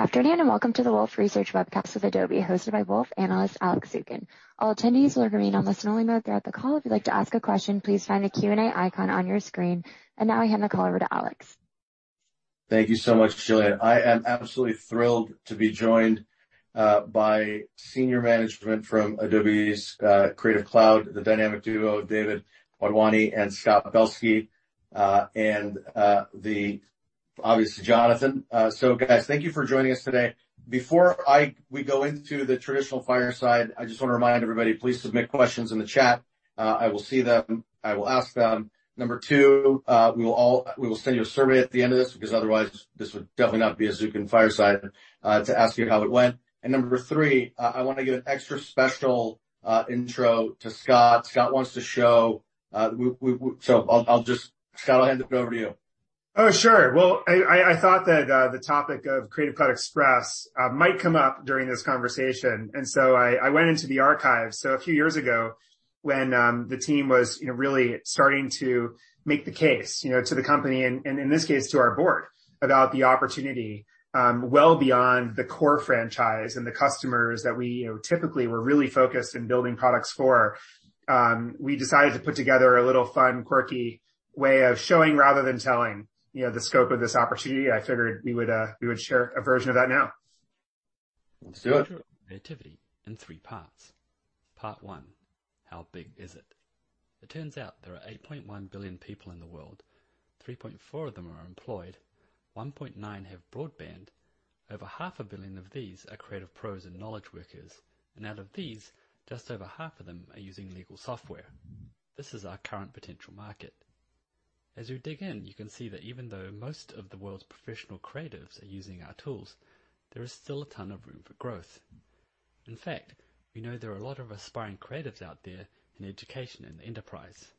Good afternoon, and welcome to the Wolfe Research Webcast with Adobe, hosted by Wolfe analyst Alex Zukin. All attendees will remain on listen only mode throughout the call. If you'd like to ask a question, please find the Q&A icon on your screen. Now I hand the call over to Alex. Thank you so much, Julia. I am absolutely thrilled to be joined by senior management from Adobe's Creative Cloud, the dynamic duo, David Wadhwani and Scott Belsky, and obviously, Jonathan. Guys, thank you for joining us today. Before we go into the traditional fireside, I just want to remind everybody, please submit questions in the chat. I will see them, I will ask them. Number two, we will send you a survey at the end of this, because otherwise this would definitely not be a Zukin fireside to ask you how it went. Number three, I wanna give an extra special intro to Scott. Scott wants to show. I'll hand it over to you, Scott. Sure. Well, I thought that the topic of Creative Cloud Express might come up during this conversation, and so I went into the archive. A few years ago, when the team was, you know, really starting to make the case, you know, to the company and in this case to our board about the opportunity, well beyond the core franchise and the customers that we, you know, typically were really focused in building products for, we decided to put together a little fun, quirky way of showing rather than telling, you know, the scope of this opportunity. I figured we would share a version of that now. Let's do it. The future of creativity in three parts. Part one: How big is it? It turns out there are 8.1 billion people in the world. 3.4 of them are employed. 1.9 have broadband. Over half a billion of these are Creative Pros and knowledge workers. Out of these, just over half of them are using legal software. This is our current potential market. As you dig in, you can see that even though most of the world's professional creatives are using our tools, there is still a ton of room for growth. In fact, we know there are a lot of aspiring creatives out there in education and enterprise.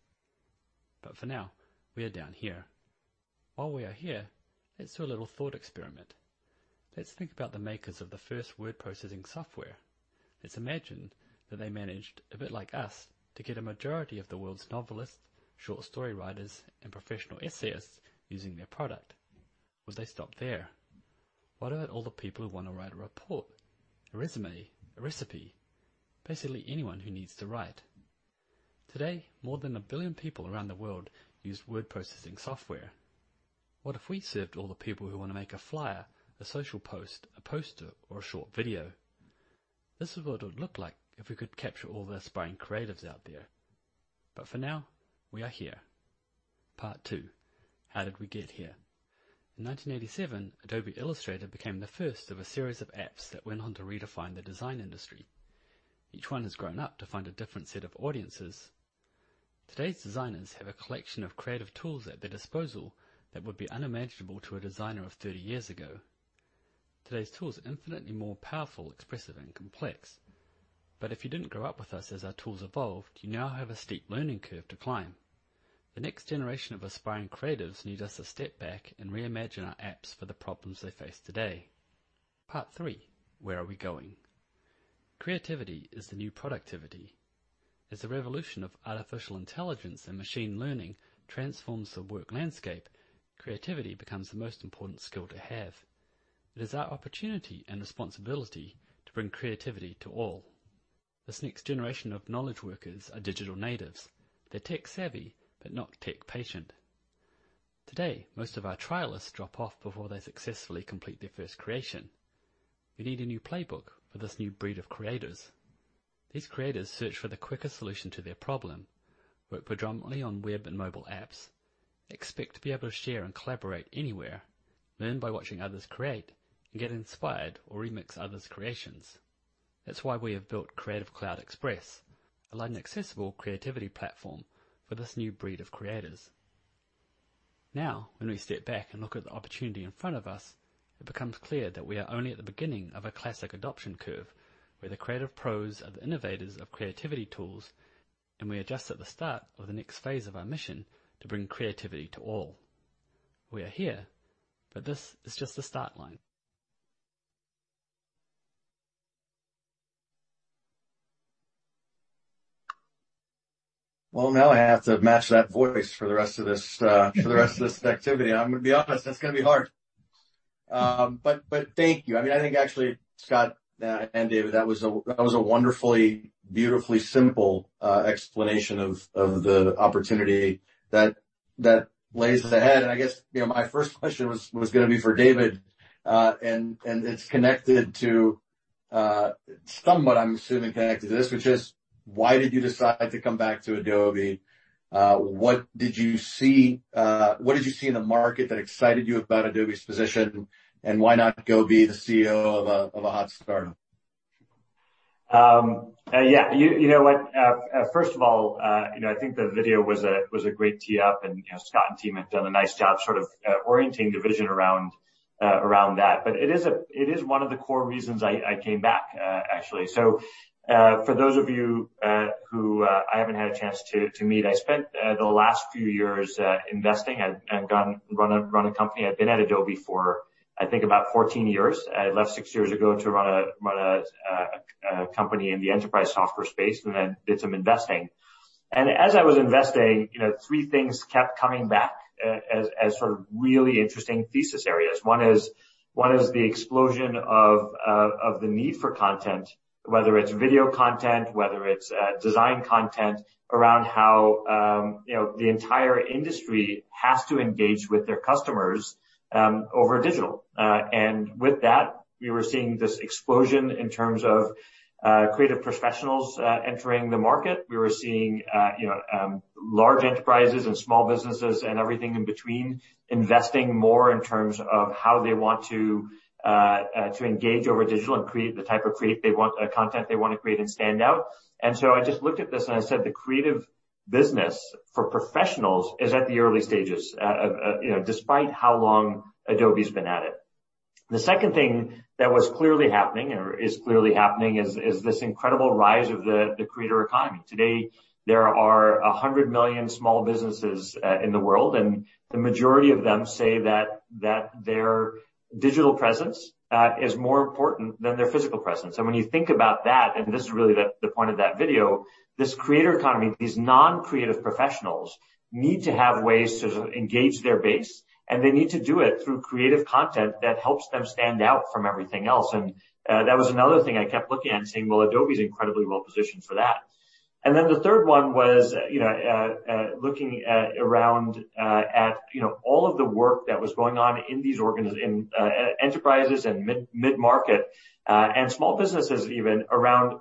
For now, we are down here. While we are here, let's do a little thought experiment. Let's think about the makers of the first word processing software. Let's imagine that they managed, a bit like us, to get a majority of the world's novelists, short story writers, and professional essayists using their product. Would they stop there? What about all the people who wanna write a report, a resume, a recipe? Basically anyone who needs to write. Today, more than 1 billion people around the world use word processing software. What if we served all the people who wanna make a flyer, a social post, a poster, or a short video? This is what it would look like if we could capture all the aspiring creatives out there. But for now, we are here. Part two. How did we get here? In 1987, Adobe Illustrator became the first of a series of apps that went on to redefine the design industry. Each one has grown up to find a different set of audiences. Today's designers have a collection of creative tools at their disposal that would be unimaginable to a designer of 30 years ago. Today's tools are infinitely more powerful, expressive, and complex. If you didn't grow up with us as our tools evolved, you now have a steep learning curve to climb. The next generation of aspiring creatives need us to step back and reimagine our apps for the problems they face today. Part three. Where are we going? Creativity is the new productivity. As the revolution of artificial intelligence and machine learning transforms the work landscape, creativity becomes the most important skill to have. It is our opportunity and responsibility to bring creativity to all. This next generation of knowledge workers are digital natives. They're tech savvy, but not tech patient. Today, most of our trialists drop off before they successfully complete their first creation. We need a new playbook for this new breed of creators. These creators search for the quickest solution to their problem, work predominantly on web and mobile apps, expect to be able to share and collaborate anywhere, learn by watching others create, and get inspired or remix others' creations. That's why we have built Creative Cloud Express, a light and accessible creativity platform for this new breed of creators. Now, when we step back and look at the opportunity in front of us, it becomes clear that we are only at the beginning of a classic adoption curve, where the Creative Pros are the innovators of creativity tools, and we are just at the start of the next phase of our mission to bring creativity to all. We are here, but this is just the start line. Well, now I have to match that voice for the rest of this activity. I'm gonna be honest, that's gonna be hard. Thank you. I mean, I think actually, Scott and David, that was a wonderfully, beautifully simple explanation of the opportunity that lays ahead. I guess, you know, my first question was gonna be for David, and it's connected to this somewhat, I'm assuming. Which is why did you decide to come back to Adobe? What did you see in the market that excited you about Adobe's position? Why not go be the CEO of a hot startup? Yeah. You know what? First of all, you know, I think the video was a great tee up, and, you know, Scott and team have done a nice job sort of orienting the vision around that. It is one of the core reasons I came back, actually. For those of you who I haven't had a chance to meet, I spent the last few years investing and running a company. I've been at Adobe for, I think, about 14 years. I left six years ago to run a company in the enterprise software space and then did some investing. As I was investigating, you know, three things kept coming back as sort of really interesting thesis areas. One is the explosion of the need for content, whether it's video content, whether it's design content around how you know the entire industry has to engage with their customers over digital. With that, we were seeing this explosion in terms of Creative Professionals entering the market. We were seeing you know large enterprises and small businesses and everything in between, investing more in terms of how they want to engage over digital and create the type of content they wanna create and stand out. I just looked at this, and I said, the creative business for professionals is at the early stages you know despite how long Adobe's been at it. The second thing that was clearly happening or is clearly happening is this incredible rise of the creator economy. Today, there are 100 million small businesses in the world, and the majority of them say that their digital presence is more important than their physical presence. When you think about that, and this is really the point of that video, this creator economy, these non-creative professionals need to have ways to engage their base, and they need to do it through creative content that helps them stand out from everything else. that was another thing I kept looking at and saying, "Well, Adobe's incredibly well-positioned for that." The third one was looking around at you know all of the work that was going on in enterprises and mid-market and small businesses even around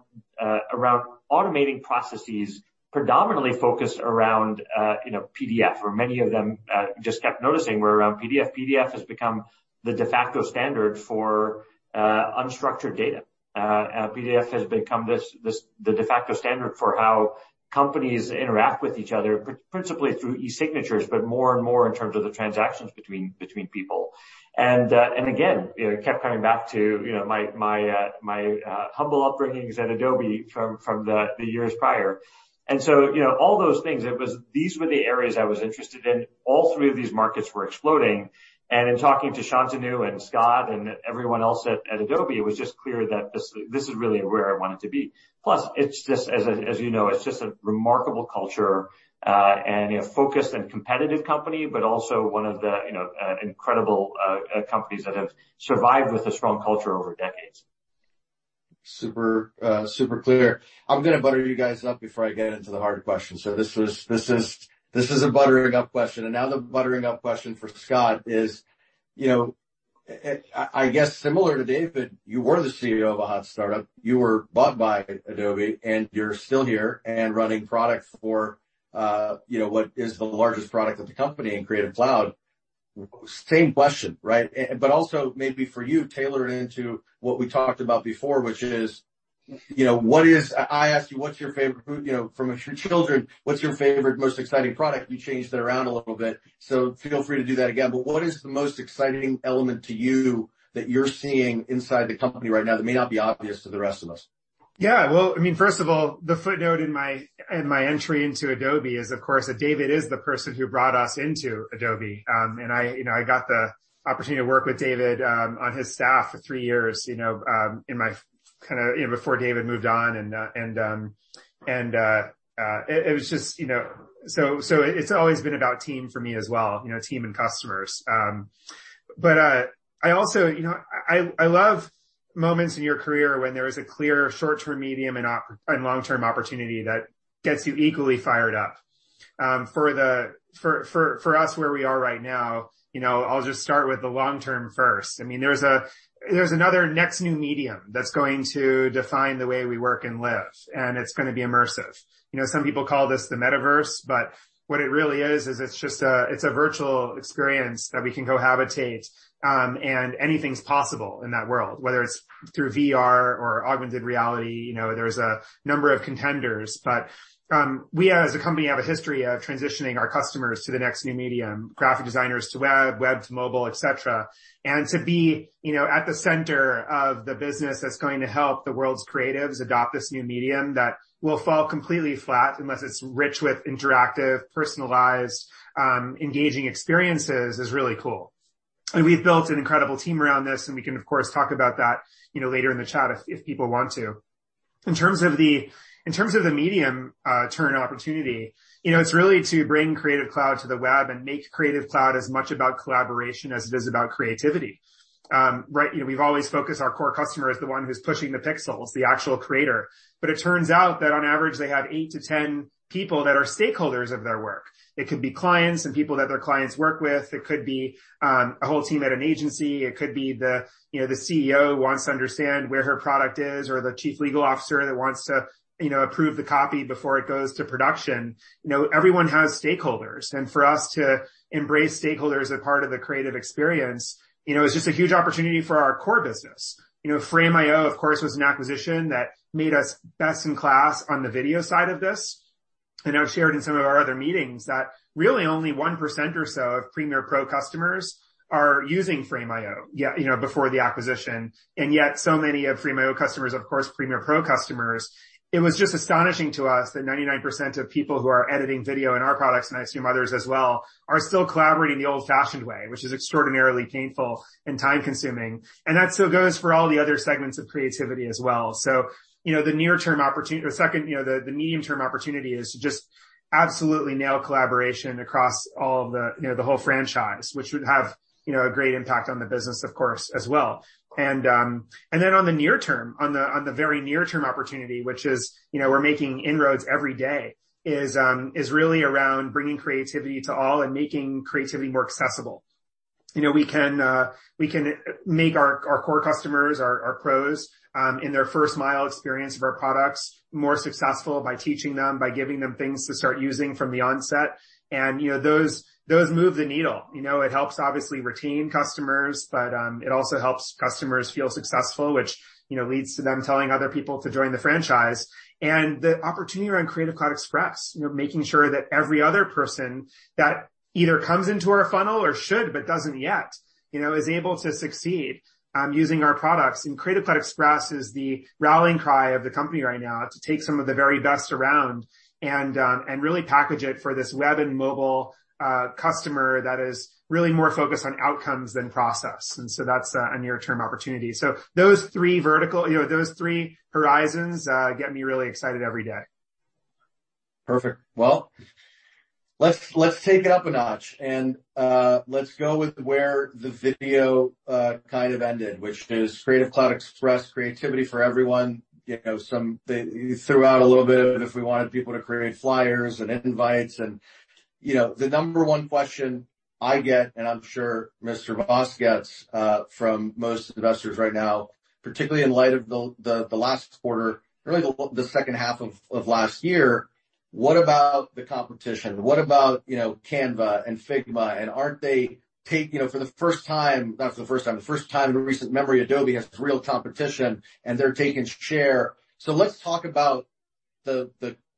automating processes predominantly focused around you know PDF or many of them just kept noticing were around PDF. PDF has become the de facto standard for unstructured data. PDF has become this, the de facto standard for how companies interact with each other, principally through e-signatures, but more and more in terms of the transactions between people. Again, you know, it kept coming back to, you know, my humble beginnings at Adobe from the years prior. You know, all those things, it was these were the areas I was interested in. All three of these markets were exploding. In talking to Shantanu and Scott and everyone else at Adobe, it was just clear that this is really where I wanted to be. Plus, it's just as you know, it's just a remarkable culture and a focused and competitive company, but also one of the, you know, incredible companies that have survived with a strong culture over decades. Super, super clear. I'm gonna butter you guys up before I get into the hard questions. This is a buttering up question. Now the buttering up question for Scott is, you know, I guess similar to David, you were the CEO of a hot startup. You were bought by Adobe, and you're still here and running product for, you know, what is the largest product of the company in Creative Cloud. Same question, right? Also maybe for you, tailored into what we talked about before, which is, you know, what is. I asked you what's your favorite food, you know, from your children, what's your favorite, most exciting product? You changed it around a little bit, so feel free to do that again. What is the most exciting element to you that you're seeing inside the company right now that may not be obvious to the rest of us? Yeah. Well, I mean, first of all, the footnote in my entry into Adobe is, of course, that David is the person who brought us into Adobe. I got the opportunity to work with David on his staff for three years, you know, before David moved on and it was just, you know. It's always been about team for me as well, you know, team and customers. I also, you know, I love moments in your career when there is a clear short-term, medium, and long-term opportunity that gets you equally fired up. For us where we are right now, you know, I'll just start with the long-term first. I mean, there's another next new medium that's going to define the way we work and live, and it's gonna be immersive. You know, some people call this the metaverse, but what it really is is it's just a virtual experience that we can cohabitate, and anything's possible in that world. Whether it's through VR or augmented reality, you know, there's a number of contenders. But we as a company have a history of transitioning our customers to the next new medium, graphic designers to web to mobile, et cetera. To be, you know, at the center of the business that's going to help the world's creatives adopt this new medium that will fall completely flat unless it's rich with interactive, personalized, engaging experiences is really cool. We've built an incredible team around this, and we can, of course, talk about that, you know, later in the chat if people want to. In terms of the medium term opportunity, you know, it's really to bring Creative Cloud to the web and make Creative Cloud as much about collaboration as it is about creativity, right? You know, we've always focused our core customer as the one who's pushing the pixels, the actual creator. It turns out that on average, they have 8-10 people that are stakeholders of their work. It could be clients and people that their clients work with. It could be a whole team at an agency. It could be the, you know, the CEO who wants to understand where her product is or the Chief Legal Officer that wants to, you know, approve the copy before it goes to production. You know, everyone has stakeholders. For us to embrace stakeholders as part of the creative experience, you know, is just a huge opportunity for our core business. You know, Frame.io, of course, was an acquisition that made us best in class on the video side of this. I've shared in some of our other meetings that really only 1% or so of Premiere Pro customers are using Frame.io, yeah, you know, before the acquisition, and yet so many of Frame.io customers, of course, Premiere Pro customers. It was just astonishing to us that 99% of people who are editing video in our products, and I assume others as well, are still collaborating the old-fashioned way, which is extraordinarily painful and time-consuming. That still goes for all the other segments of creativity as well. You know, the near term or second, you know, the medium-term opportunity is to just absolutely nail collaboration across all of the, you know, the whole franchise, which would have, you know, a great impact on the business of course as well. Then on the near term, the very near term opportunity, which is, you know, we're making inroads every day, really around bringing creativity to all and making creativity more accessible. You know, we can make our core customers, our pros in their first mile experience of our products more successful by teaching them, by giving them things to start using from the onset. You know, those move the needle. You know, it helps obviously retain customers, but it also helps customers feel successful, which, you know, leads to them telling other people to join the franchise. The opportunity around Creative Cloud Express, you know, making sure that every other person that either comes into our funnel or should but doesn't yet, you know, is able to succeed using our products. Creative Cloud Express is the rallying cry of the company right now to take some of the very best around and really package it for this web and mobile customer that is really more focused on outcomes than process. That's a near-term opportunity. Those three vertical, you know, those three horizons, get me really excited every day. Perfect. Well, let's take it up a notch and let's go with where the video kind of ended, which is Creative Cloud Express, creativity for everyone. You know, you threw out a little bit of if we wanted people to create flyers and invites and, you know. The number one question I get, and I'm sure Jonathan Vaas gets, from most investors right now, particularly in light of the last quarter, really the second half of last year, what about the competition? What about, you know, Canva and Figma and aren't they taking, you know, for the first time in recent memory, Adobe has real competition, and they're taking share. Let's talk about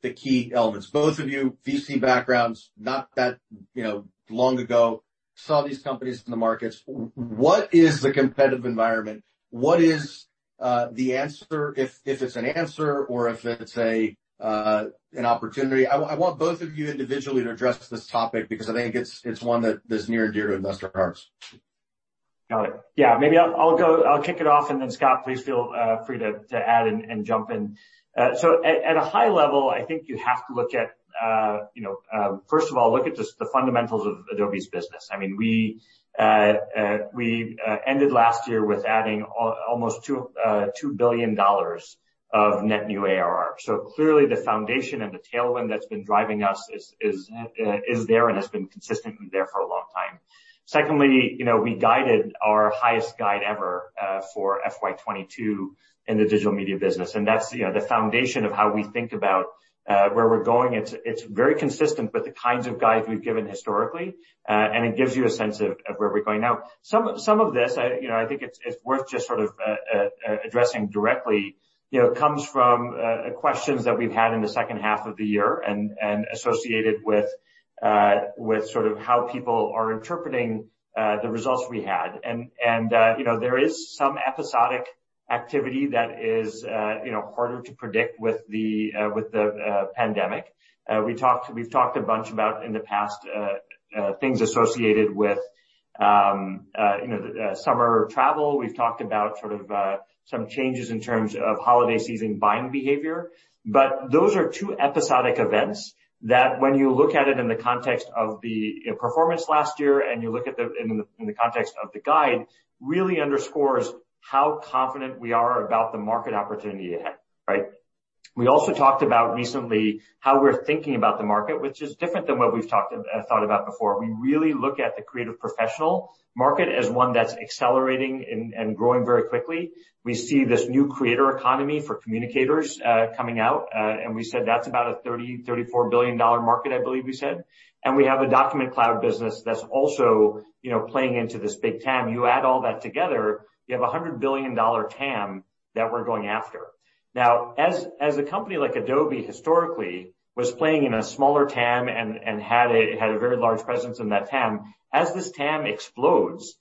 the key elements. Both of you, VC backgrounds, not that, you know, long ago, saw these companies in the markets. What is the competitive environment? What is the answer if it's an answer or if it's an opportunity? I want both of you individually to address this topic because I think it's one that is near and dear to investor hearts. Got it. Yeah. Maybe I'll go. I'll kick it off and then Scott, please feel free to add and jump in. So at a high level, I think you have to look at, you know, first of all, look at just the fundamentals of Adobe's business. I mean, we ended last year with adding almost $2 billion of net new ARR. So clearly the foundation and the tailwind that's been driving us is there and has been consistently there for a long time. Secondly, you know, we guided our highest guide ever for FY 2022 in the Digital Media business, and that's, you know, the foundation of how we think about where we're going. It's very consistent with the kinds of guides we've given historically, and it gives you a sense of where we're going. Now, some of this, you know, I think it's worth just sort of addressing directly, you know, comes from questions that we've had in the second half of the year and, you know, there is some episodic activity that is harder to predict with the pandemic. We've talked a bunch about in the past things associated with summer travel. We've talked about sort of some changes in terms of holiday season buying behavior. Those are two episodic events that when you look at it in the context of the performance last year, and you look at it in the context of the guide, really underscores how confident we are about the market opportunity ahead, right? We also talked about recently how we're thinking about the market, which is different than what we thought about before. We really look at the Creative Professional market as one that's accelerating and growing very quickly. We see this new creator economy for communicators coming out. We said that's about a $34 billion market, I believe we said. We have a Document Cloud business that's also playing into this big TAM. You add all that together, you have a $100 billion TAM that we're going after. Now, as a company like Adobe historically was playing in a smaller TAM and had a very large presence in that TAM, as this TAM explodes,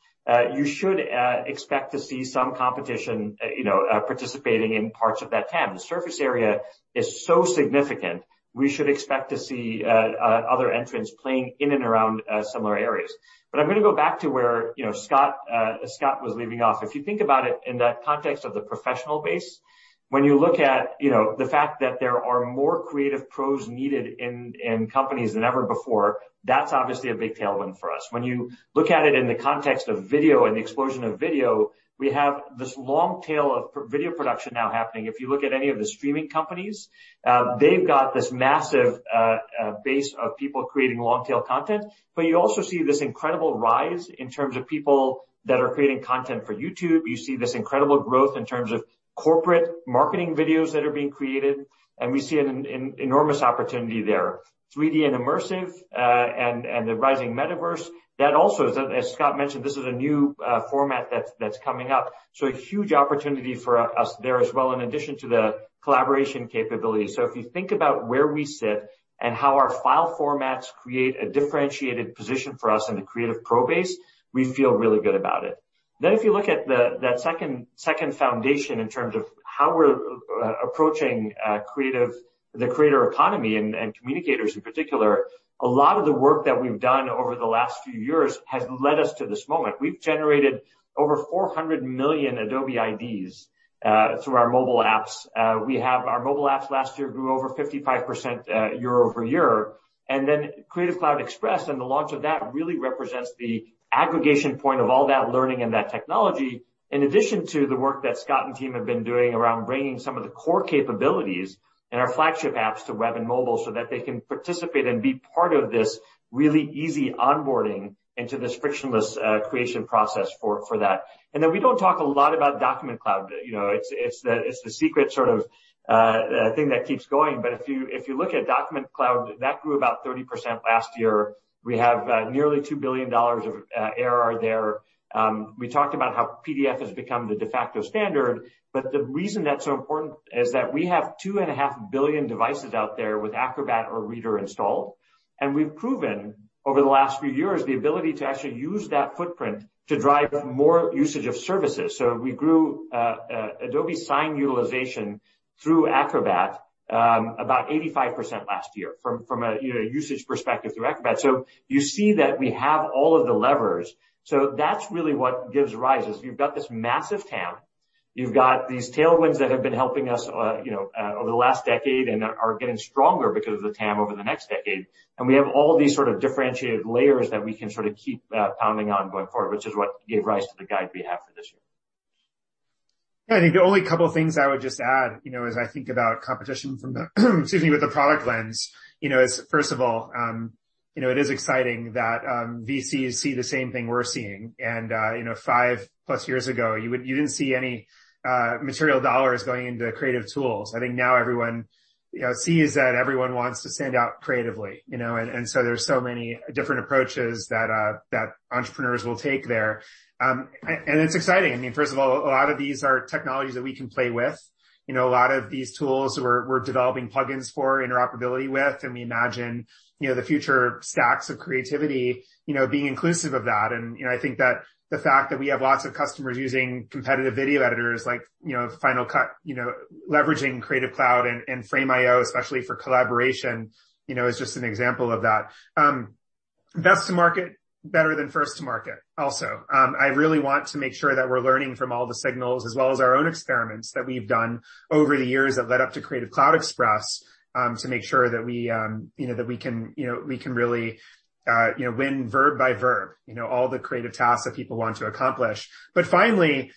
you should expect to see some competition, you know, participating in parts of that TAM. The surface area is so significant, we should expect to see other entrants playing in and around similar areas. I'm gonna go back to where, you know, Scott was leaving off. If you think about it in the context of the professional base, when you look at, you know, the fact that there are more Creative Pros needed in companies than ever before, that's obviously a big tailwind for us. When you look at it in the context of video and the explosion of video, we have this long tail of video production now happening. If you look at any of the streaming companies, they've got this massive base of people creating long-tail content. But you also see this incredible rise in terms of people that are creating content for YouTube. You see this incredible growth in terms of corporate marketing videos that are being created, and we see an enormous opportunity there. 3D and immersive and the rising metaverse, that also is, as Scott mentioned, this is a new format that's coming up. A huge opportunity for us there as well in addition to the collaboration capabilities. If you think about where we sit and how our file formats create a differentiated position for us in the Creative Pro base, we feel really good about it. If you look at that second foundation in terms of how we're approaching creative, the creator economy and communicators in particular, a lot of the work that we've done over the last few years has led us to this moment. We've generated over 400 million Adobe IDs through our mobile apps. Our mobile apps last year grew over 55% year-over-year. Creative Cloud Express and the launch of that really represents the aggregation point of all that learning and that technology, in addition to the work that Scott and team have been doing around bringing some of the core capabilities in our flagship apps to web and mobile so that they can participate and be part of this really easy onboarding into this frictionless creation process for that. We don't talk a lot about Document Cloud. It's the secret sort of thing that keeps going. But if you look at Document Cloud, that grew about 30% last year. We have nearly $2 billion of ARR there. We talked about how PDF has become the de facto standard, but the reason that's so important is that we have 2.5 billion devices out there with Acrobat or Reader installed. We've proven over the last few years the ability to actually use that footprint to drive more usage of services. We grew Adobe Sign utilization through Acrobat about 85% last year from a you know usage perspective through Acrobat. You see that we have all of the levers. That's really what gives rise, is you've got this massive TAM. You've got these tailwinds that have been helping us you know over the last decade and are getting stronger because of the TAM over the next decade. We have all these sort of differentiated layers that we can sort of keep pounding on going forward, which is what gave rise to the guide we have for this year. Yeah. I think the only couple of things I would just add, you know, as I think about competition from the, excuse me, with the product lens, you know, is first of all, you know, it is exciting that VCs see the same thing we're seeing. You know, 5+ years ago, you didn't see any material dollars going into creative tools. I think now everyone, you know, sees that everyone wants to stand out creatively, you know. And so there's so many different approaches that that entrepreneurs will take there. And it's exciting. I mean, first of all, a lot of these are technologies that we can play with. You know, a lot of these tools we're developing plugins for interoperability with, and we imagine, you know, the future stacks of creativity, you know, being inclusive of that. You know, I think that the fact that we have lots of customers using competitive video editors like, you know, Final Cut, you know, leveraging Creative Cloud and Frame.io, especially for collaboration, you know, is just an example of that. Best to market, better than first to market also. I really want to make sure that we're learning from all the signals as well as our own experiments that we've done over the years that led up to Creative Cloud Express, to make sure that we can really win verb by verb, you know, all the creative tasks that people want to accomplish. Finally,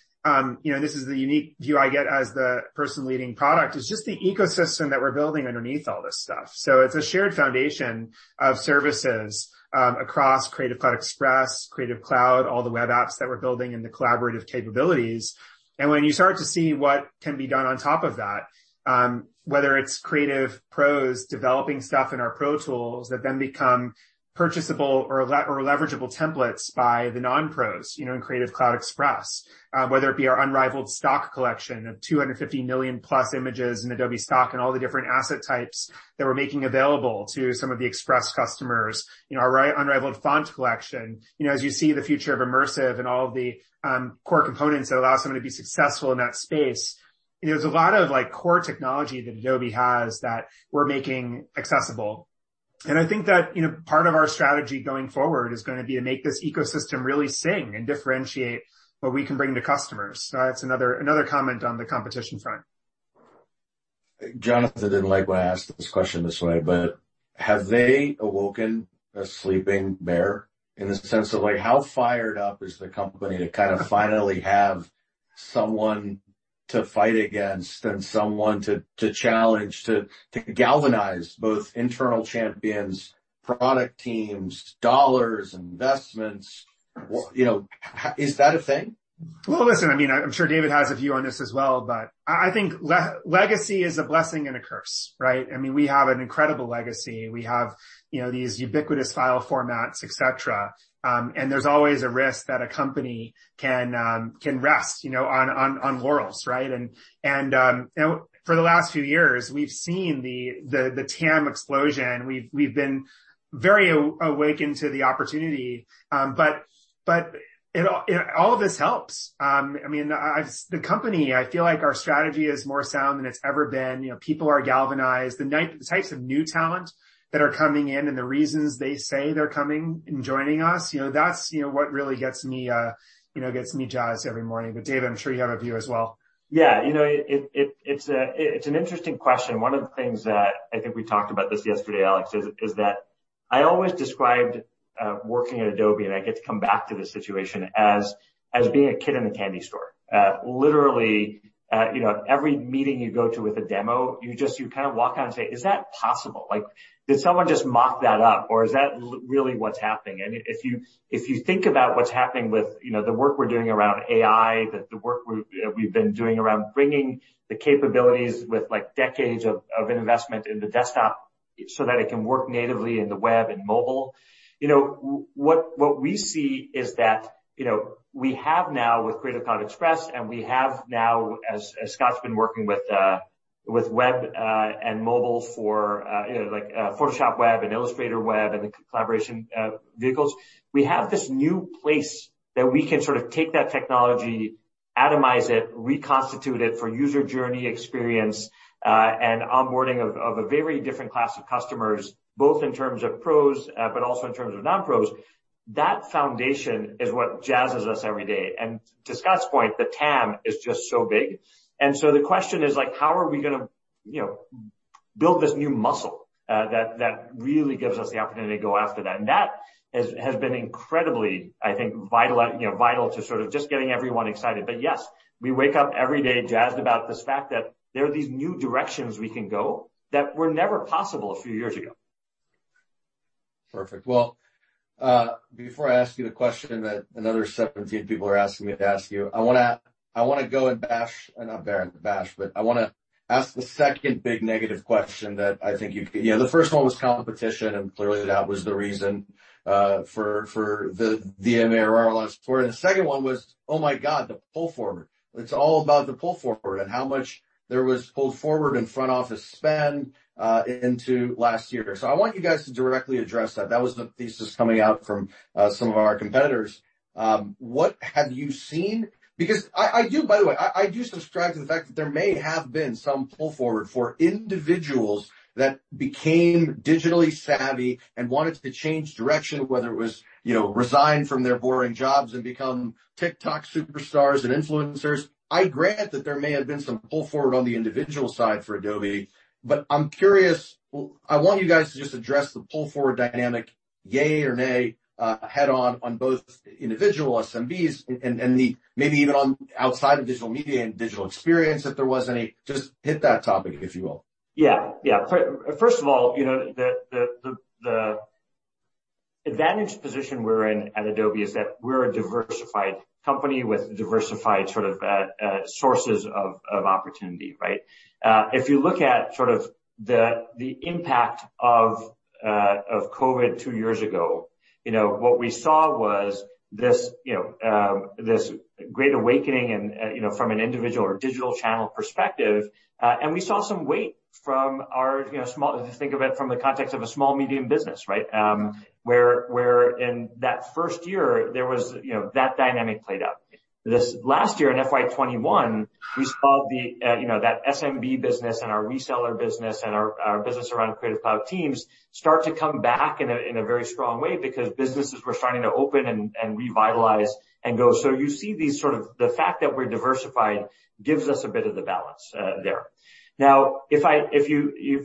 you know, this is the unique view I get as the person leading product, is just the ecosystem that we're building underneath all this stuff. It's a shared foundation of services across Creative Cloud Express, Creative Cloud, all the web apps that we're building, and the collaborative capabilities. When you start to see what can be done on top of that, whether it's Creative Pros developing stuff in our Pro Tools that then become purchasable or leverageable templates by the non-pros, you know, in Creative Cloud Express. Whether it be our unrivaled stock collection of 250 million-plus images in Adobe Stock and all the different asset types that we're making available to some of the Express customers. You know, our unrivaled font collection. You know, as you see the future of immersive and all of the core components that allow someone to be successful in that space, you know, there's a lot of, like, core technology that Adobe has that we're making accessible. I think that, you know, part of our strategy going forward is gonna be to make this ecosystem really sing and differentiate what we can bring to customers. That's another comment on the competition front. Jonathan didn't like when I asked this question this way, but have they awoken a sleeping bear? In the sense of, like, how fired up is the company to kind of finally have someone to fight against and someone to challenge, to galvanize both internal champions, product teams, dollars, investments? You know, how is that a thing? Well, listen, I mean, I'm sure David has a view on this as well, but I think legacy is a blessing and a curse, right? I mean, we have an incredible legacy. We have, you know, these ubiquitous file formats, et cetera. There's always a risk that a company can rest, you know, on laurels, right? You know, for the last few years, we've seen the TAM explosion. We've been very awakened to the opportunity. But all of this helps. I mean, the company, I feel like our strategy is more sound than it's ever been. You know, people are galvanized. The types of new talent that are coming in and the reasons they say they're coming and joining us, you know, that's, you know, what really gets me, you know, gets me jazzed every morning. David, I'm sure you have a view as well. Yeah. You know, it's an interesting question. One of the things that, I think we talked about this yesterday, Alex, is that I always described working at Adobe, and I get to come back to this situation, as being a kid in a candy store. Literally, you know, every meeting you go to with a demo, you just, you kind of walk out and say, "Is that possible?" Like, "Did someone just mock that up, or is that really what's happening?" If you think about what's happening with, you know, the work we're doing around AI, the work we've been doing around bringing the capabilities with, like, decades of investment in the desktop so that it can work natively in the web and mobile. You know, what we see is that, you know, we have now with Creative Cloud Express, and we have now as Scott's been working with web and mobile for, you know, like, Photoshop web and Illustrator web and the collaboration vehicles. We have this new place that we can sort of take that technology, atomize it, reconstitute it for user journey experience and onboarding of a very different class of customers, both in terms of pros, but also in terms of non-pros. That foundation is what jazzes us every day. To Scott's point, the TAM is just so big. The question is, like, how are we gonna, you know, build this new muscle that really gives us the opportunity to go after that? That has been incredibly, I think, vital, like, you know, vital to sort of just getting everyone excited. Yes, we wake up every day jazzed about this fact that there are these new directions we can go that were never possible a few years ago. Perfect. Well, before I ask you the question that another 17 people are asking me to ask you, I want to ask the second big negative question that I think you could. The first one was competition, and clearly, that was the reason for the D&A around last quarter. The second one was, oh, my God, the pull forward. It's all about the pull forward and how much there was pulled forward in front office spend into last year. I want you guys to directly address that. That was the thesis coming out from some of our competitors. What have you seen? Because I do, by the way, I do subscribe to the fact that there may have been some pull forward for individuals that became digitally savvy and wanted to change direction, whether it was, you know, resign from their boring jobs and become TikTok superstars and influencers. I grant that there may have been some pull forward on the individual side for Adobe, but I'm curious. I want you guys to just address the pull forward dynamic, yay or nay, head-on on both individual SMBs and maybe even outside of digital media and digital experience, if there was any. Just hit that topic, if you will. First of all, you know, the advantage position we're in at Adobe is that we're a diversified company with diversified sort of sources of opportunity, right? If you look at sort of the impact of COVID two years ago, you know, what we saw was this you know this great awakening and you know from an individual or digital channel perspective, and we saw some weight from our you know if you think of it from the context of a small medium business, right? Where in that first year there was you know that dynamic played out. This last year in FY 2021, we saw the, you know, that SMB business and our reseller business and our business around Creative Cloud teams start to come back in a very strong way because businesses were starting to open and revitalize and grow. You see these sort of the fact that we're diversified gives us a bit of the balance there. Now, if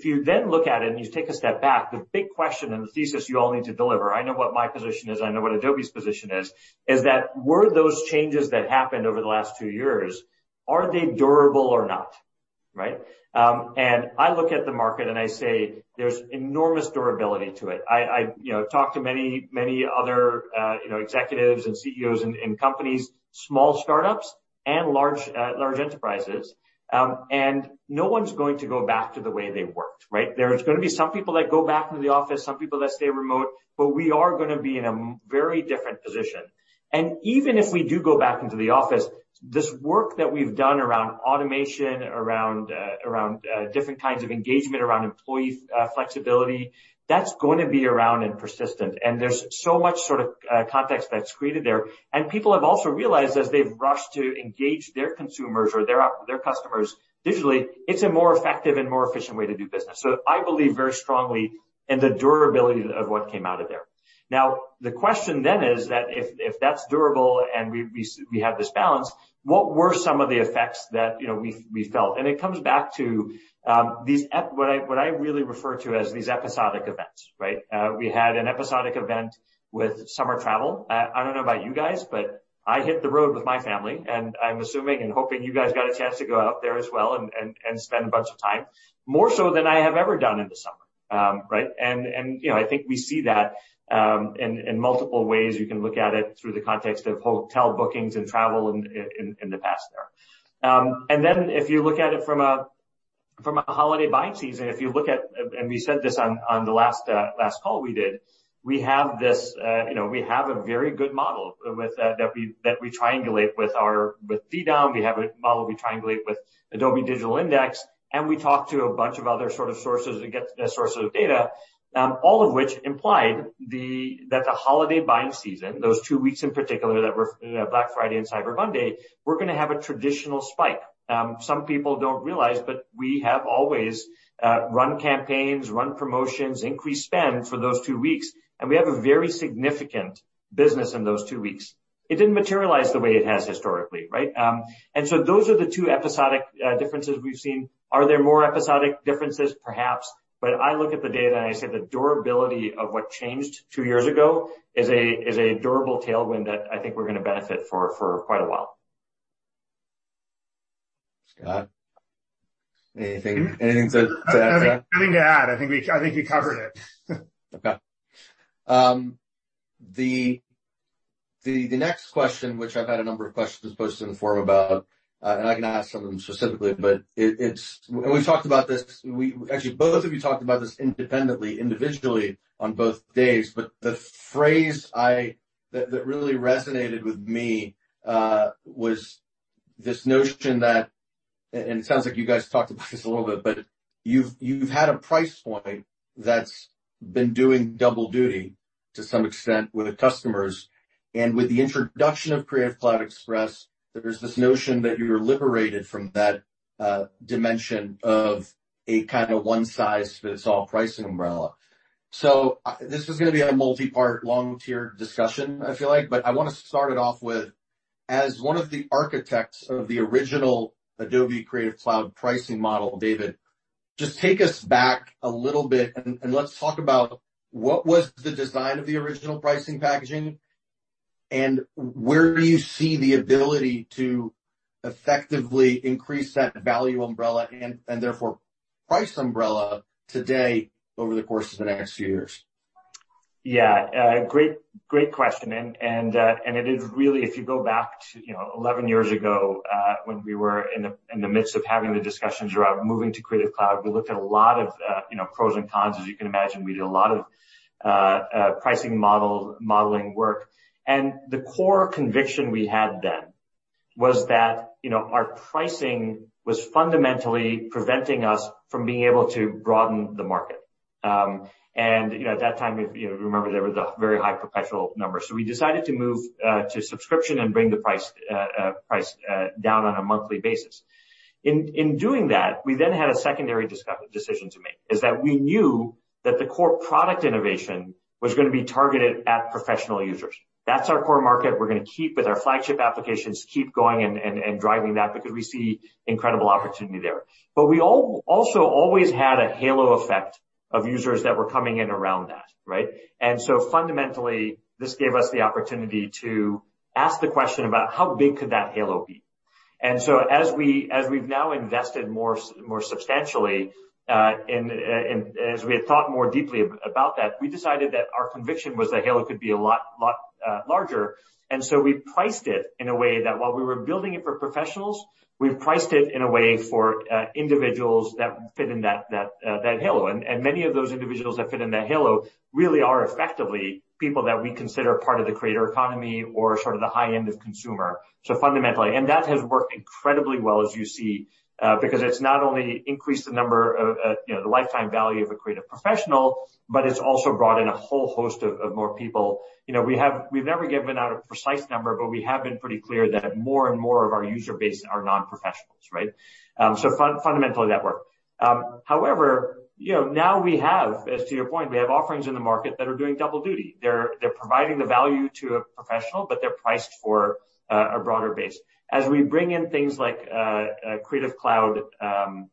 you then look at it and you take a step back, the big question and the thesis you all need to deliver, I know what my position is, I know what Adobe's position is that were those changes that happened over the last two years, are they durable or not, right? I look at the market and I say there's enormous durability to it. I you know talked to many other executives and CEOs in companies small startups and large enterprises and no one's going to go back to the way they worked right? There's gonna be some people that go back into the office some people that stay remote but we are gonna be in a very different position. Even if we do go back into the office this work that we've done around automation around different kinds of engagement around employee flexibility that's going to be around and persistent. There's so much sort of context that's created there. People have also realized as they've rushed to engage their consumers or their customers digitally it's a more effective and more efficient way to do business. I believe very strongly in the durability of what came out of there. Now, the question then is that if that's durable and we have this balance, what were some of the effects that, you know, we felt? It comes back to what I really refer to as these episodic events, right? We had an episodic event with summer travel. I don't know about you guys, but I hit the road with my family, and I'm assuming and hoping you guys got a chance to go out there as well and spend a bunch of time, more so than I have ever done in the summer. Right? You know, I think we see that in multiple ways. You can look at it through the context of hotel bookings and travel in the past year. If you look at it from a holiday buying season, we said this on the last call we did. We have this, you know, a very good model that we triangulate with our DDOM and Adobe Digital Index, and we talk to a bunch of other sources to get the sources of data, all of which implied that the holiday buying season, those two weeks in particular that were, you know, Black Friday and Cyber Monday, were gonna have a traditional spike. Some people don't realize, but we have always run campaigns, run promotions, increased spend for those two weeks, and we have a very significant business in those two weeks. It didn't materialize the way it has historically, right? Those are the two episodic differences we've seen. Are there more episodic differences? Perhaps. I look at the data and I say the durability of what changed two years ago is a durable tailwind that I think we're gonna benefit for quite a while. Scott, anything to add to that? Nothing to add. I think you covered it. Okay. The next question, which I've had a number of questions posted in the forum about, and I can ask some of them specifically, but it's. We've talked about this. We actually, both of you talked about this independently, individually on both days, but the phrase that really resonated with me was this notion that, and it sounds like you guys talked about this a little bit, but you've had a price point that's been doing double duty to some extent with the customers, and with the introduction of Creative Cloud Express, there's this notion that you're liberated from that dimension of a kind of one-size-fits-all pricing umbrella. So this is gonna be a multi-part, long-tier discussion, I feel like. I wanna start it off with, as one of the architects of the original Adobe Creative Cloud pricing model, David, just take us back a little bit and let's talk about what was the design of the original pricing packaging, and where do you see the ability to effectively increase that value umbrella and therefore price umbrella today over the course of the next few years? Yeah. Great question. It is really, if you go back to, you know, 11 years ago, when we were in the midst of having the discussions around moving to Creative Cloud, we looked at a lot of, you know, pros and cons, as you can imagine. We did a lot of pricing modeling work. The core conviction we had then was that, you know, our pricing was fundamentally preventing us from being able to broaden the market. You know, at that time, you know, remember, there was a very high perpetual number. We decided to move to subscription and bring the price down on a monthly basis. In doing that, we then had a secondary decision to make, is that we knew that the core product innovation was gonna be targeted at professional users. That's our core market. We're gonna keep with our flagship applications, keep going and driving that because we see incredible opportunity there. But we also always had a halo effect of users that were coming in around that, right? Fundamentally, this gave us the opportunity to ask the question about how big could that halo be. As we've now invested more substantially, and as we had thought more deeply about that, we decided that our conviction was that halo could be a lot larger. We priced it in a way that while we were building it for professionals, we've priced it in a way for individuals that fit in that halo. Many of those individuals that fit in that halo really are effectively people that we consider part of the creator economy or sort of the high end of consumer. Fundamentally, that has worked incredibly well, as you see, because it's not only increased the lifetime value of a Creative Professional, but it's also brought in a whole host of more people. You know, we've never given out a precise number, but we have been pretty clear that more and more of our user base are non-professionals, right? Fundamentally, that worked. However, you know, now we have, as to your point, we have offerings in the market that are doing double duty. They're providing the value to a professional, but they're priced for a broader base. As we bring in things like Creative Cloud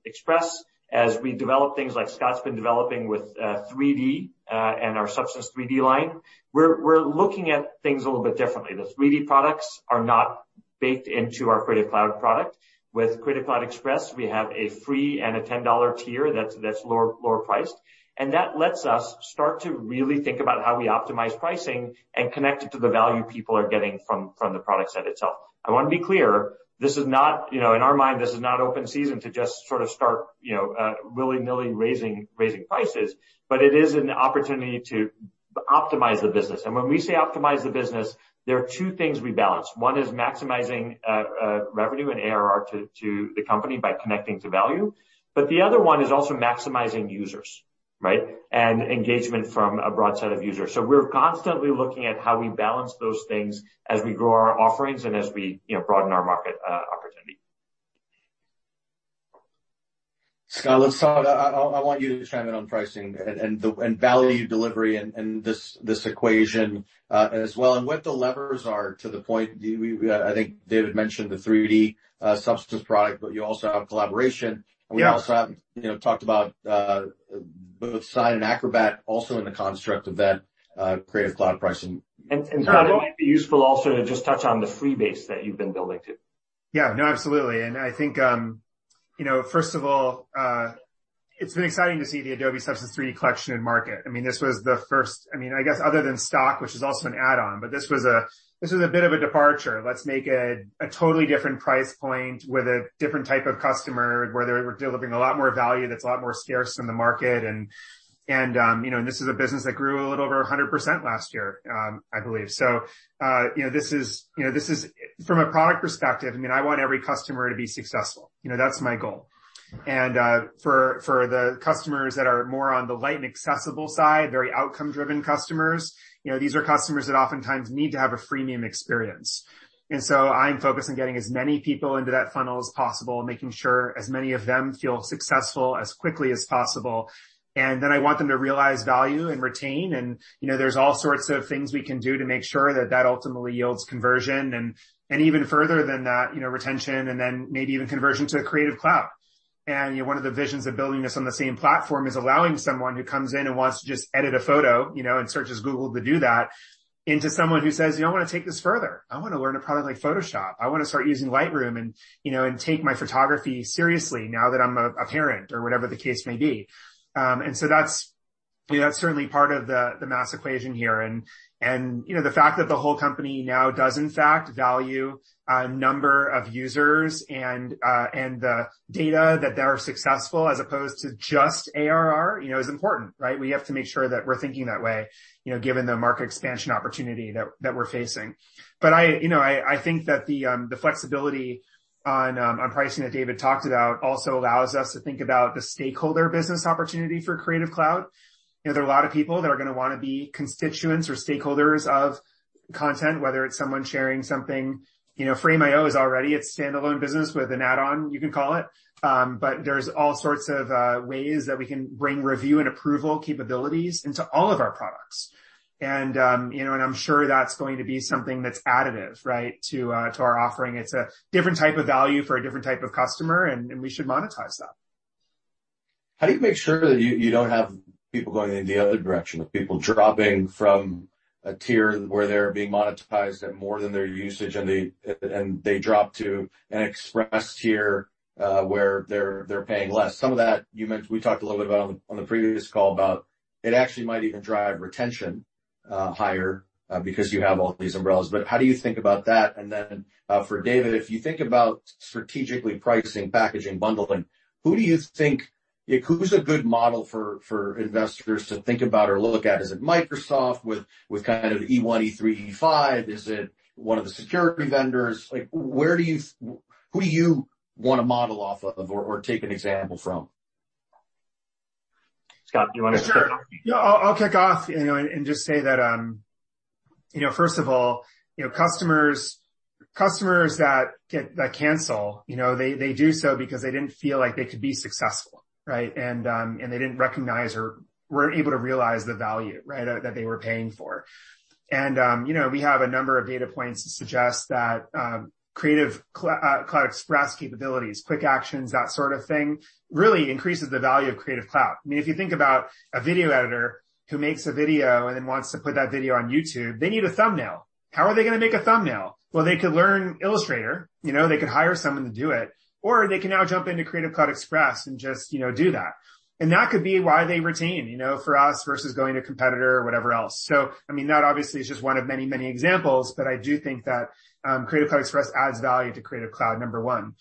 Express, as we develop things like Scott's been developing with 3D and our Substance 3D line, we're looking at things a little bit differently. The 3D products are not baked into our Creative Cloud product. With Creative Cloud Express, we have a free and a $10 tier that's lower priced, and that lets us start to really think about how we optimize pricing and connect it to the value people are getting from the product set itself. I wanna be clear, this is not, you know, in our mind, this is not open season to just sort of start, you know, willy-nilly raising prices, but it is an opportunity to optimize the business. When we say optimize the business, there are two things we balance. One is maximizing revenue and ARR to the company by connecting to value, but the other one is also maximizing users, right? And engagement from a broad set of users. We're constantly looking at how we balance those things as we grow our offerings and as we, you know, broaden our market opportunity. Scott, let's talk. I want you to chime in on pricing and the value delivery and this equation as well, and what the levers are to the point. I think David mentioned the 3D Substance product, but you also have collaboration. Yeah. We also have, you know, talked about both Sign and Acrobat also in the construct of that Creative Cloud pricing. Scott, it might be useful also to just touch on the free base that you've been building too. Yeah, no, absolutely. I think, you know, first of all, it's been exciting to see the Adobe Substance 3D collection in market. I mean, this was the first. I mean, I guess other than Stock, which is also an add-on, but this was a bit of a departure. Let's make a totally different price point with a different type of customer, where they were delivering a lot more value that's a lot more scarce in the market. You know, this is a business that grew a little over 100% last year, I believe. You know, this is. From a product perspective, I mean, I want every customer to be successful. You know, that's my goal. For the customers that are more on the light and accessible side, very outcome-driven customers, you know, these are customers that oftentimes need to have a freemium experience. I'm focused on getting as many people into that funnel as possible, making sure as many of them feel successful as quickly as possible. Then I want them to realize value and retain and, you know, there's all sorts of things we can do to make sure that that ultimately yields conversion and even further than that, you know, retention and then maybe even conversion to Creative Cloud. You know, one of the visions of building this on the same platform is allowing someone who comes in and wants to just edit a photo, you know, and searches Google to do that, into someone who says, "You know, I wanna take this further. I wanna learn a product like Photoshop. I wanna start using Lightroom and, you know, take my photography seriously now that I'm a parent," or whatever the case may be. Yeah, that's certainly part of the mass equation here. You know, the fact that the whole company now does in fact value a number of users and the data that they are successful as opposed to just ARR, you know, is important, right? We have to make sure that we're thinking that way, you know, given the market expansion opportunity that we're facing. I think that the flexibility on pricing that David talked about also allows us to think about the SMB business opportunity for Creative Cloud. You know, there are a lot of people that are gonna wanna be constituents or stakeholders of content, whether it's someone sharing something. You know, Frame.io is already a standalone business with an add-on, you can call it. There's all sorts of ways that we can bring review and approval capabilities into all of our products. You know, and I'm sure that's going to be something that's additive, right, to our offering. It's a different type of value for a different type of customer, and we should monetize that. How do you make sure that you don't have people going in the other direction? With people dropping from a tier where they're being monetized at more than their usage, and they drop to an Express tier where they're paying less. Some of that you mentioned, we talked a little bit about on the previous call about it actually might even drive retention higher because you have all these umbrellas. How do you think about that? Then, for David, if you think about strategically pricing, packaging, bundling, who do you think like, who's a good model for investors to think about or look at? Is it Microsoft with kind of E1, E3, E5? Is it one of the security vendors? Like where do you wanna model off of or take an example from? Scott, do you wanna kick off? Sure. Yeah, I'll kick off, you know, and just say that, you know, first of all, you know, customers that cancel, you know, they do so because they didn't feel like they could be successful, right? They didn't recognize or weren't able to realize the value, right, that they were paying for. You know, we have a number of data points to suggest that, Creative Cloud Express capabilities, Quick Actions, that sort of thing, really increases the value of Creative Cloud. I mean, if you think about a video editor who makes a video and then wants to put that video on YouTube, they need a thumbnail. How are they gonna make a thumbnail? Well, they could learn Illustrator. You know, they could hire someone to do it. They can now jump into Creative Cloud Express and just, you know, do that. That could be why they retain, you know, for us versus going to a competitor or whatever else. I mean, that obviously is just one of many, many examples, but I do think that, Creative Cloud Express adds value to Creative Cloud, number one.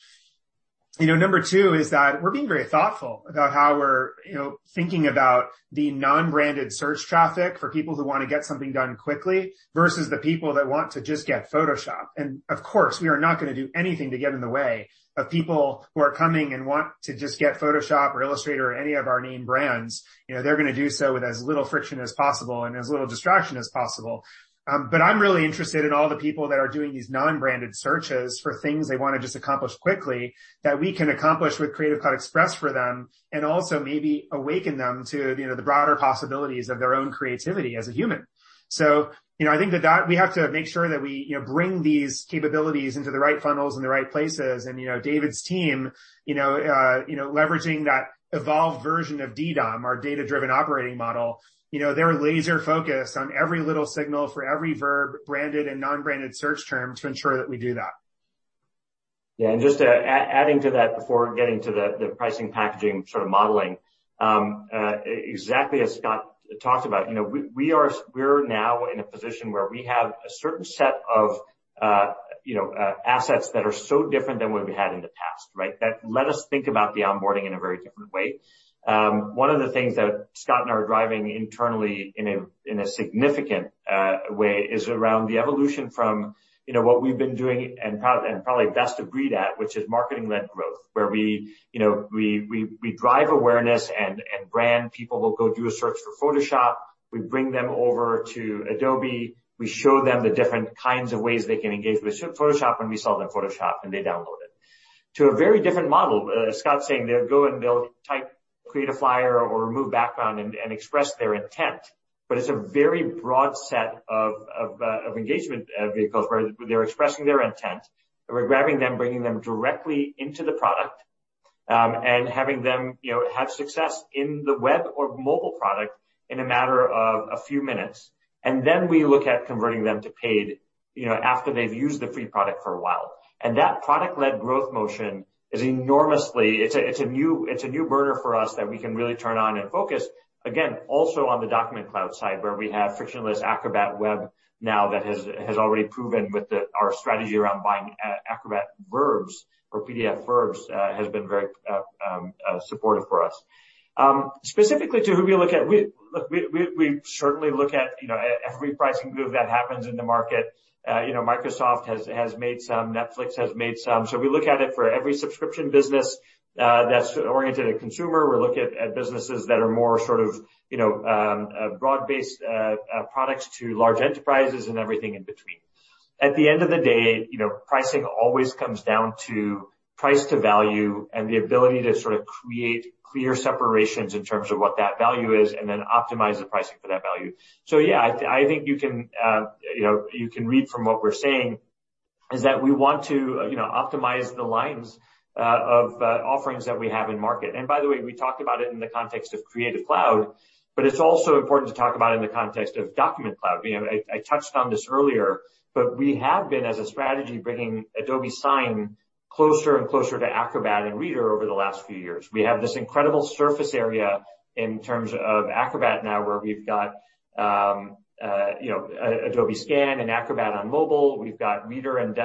You know, number two is that we're being very thoughtful about how we're, you know, thinking about the non-branded search traffic for people who wanna get something done quickly versus the people that want to just get Photoshop. Of course, we are not gonna do anything to get in the way of people who are coming and want to just get Photoshop or Illustrator or any of our name brands. You know, they're gonna do so with as little friction as possible and as little distraction as possible. I'm really interested in all the people that are doing these non-branded searches for things they wanna just accomplish quickly that we can accomplish with Creative Cloud Express for them, and also maybe awaken them to, you know, the broader possibilities of their own creativity as a human. You know, I think that we have to make sure that we, you know, bring these capabilities into the right funnels in the right places. You know, David's team, you know, leveraging that evolved version of DDOM, our data-driven operating model, you know, they're laser focused on every little signal for every verb, branded and non-branded search term to ensure that we do that. Yeah. Just adding to that before getting to the pricing packaging sort of modeling. Exactly as Scott talked about, you know, we're now in a position where we have a certain set of, you know, assets that are so different than what we had in the past, right? That let us think about the onboarding in a very different way. One of the things that Scott and I are driving internally in a significant way is around the evolution from, you know, what we've been doing and probably best articulated, which is marketing-led growth. Where we, you know, we drive awareness and brand. People will go do a search for Photoshop. We bring them over to Adobe. We show them the different kinds of ways they can engage with Photoshop, and we sell them Photoshop, and they download it. To a very different model, Scott's saying they'll go and they'll type create a flyer or remove background and express their intent. But it's a very broad set of engagement vehicles where they're expressing their intent. We're grabbing them, bringing them directly into the product, and having them, you know, have success in the web or mobile product in a matter of a few minutes. We look at converting them to paid, you know, after they've used the free product for a while. That product-led growth motion is enormously. It's a new burner for us that we can really turn on and focus. Again, also on the Document Cloud side, where we have frictionless Acrobat web now that has already proven with our strategy around buying Acrobat verbs or PDF verbs, has been very supportive for us. Specifically to who we look at. We certainly look at, you know, every pricing move that happens in the market. You know, Microsoft has made some. Netflix has made some. We look at it for every subscription business that's oriented at consumer. We look at businesses that are more sort of, you know, broad-based products to large enterprises and everything in between. At the end of the day, you know, pricing always comes down to price to value and the ability to sort of create clear separations in terms of what that value is, and then optimize the pricing for that value. So yeah, I think you can, you know, you can read from what we're saying is that we want to, you know, optimize the lines of offerings that we have in market. By the way, we talked about it in the context of Creative Cloud, but it's also important to talk about in the context of Document Cloud. You know, I touched on this earlier, but we have been as a strategy, bringing Adobe Sign closer and closer to Acrobat and Reader over the last few years. We have this incredible surface area in terms of Acrobat now, where we've got, you know, Adobe Scan and Acrobat on mobile. We've got Reader and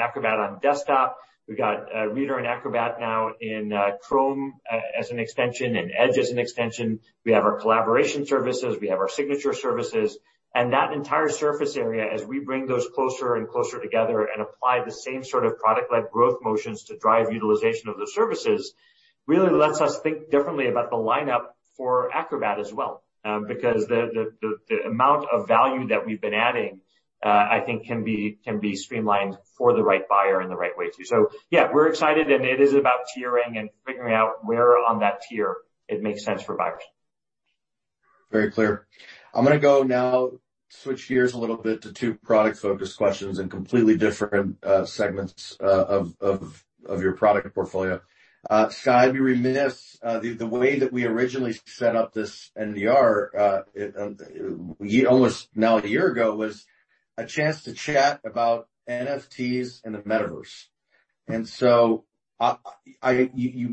Acrobat on desktop. We've got Reader and Acrobat now in Chrome as an extension and Edge as an extension. We have our collaboration services, we have our signature services, and that entire surface area as we bring those closer and closer together and apply the same sort of Product-Led Growth motions to drive utilization of the services, really lets us think differently about the lineup for Acrobat as well. Because the amount of value that we've been adding, I think can be streamlined for the right buyer in the right way too. Yeah, we're excited and it is about tiering and figuring out where on that tier it makes sense for buyers. Very clear. I'm gonna go now switch gears a little bit to two product-focused questions in completely different segments of your product portfolio. Scott, we reminisce the way that we originally set up this NDR almost now a year ago was a chance to chat about NFTs and the metaverse.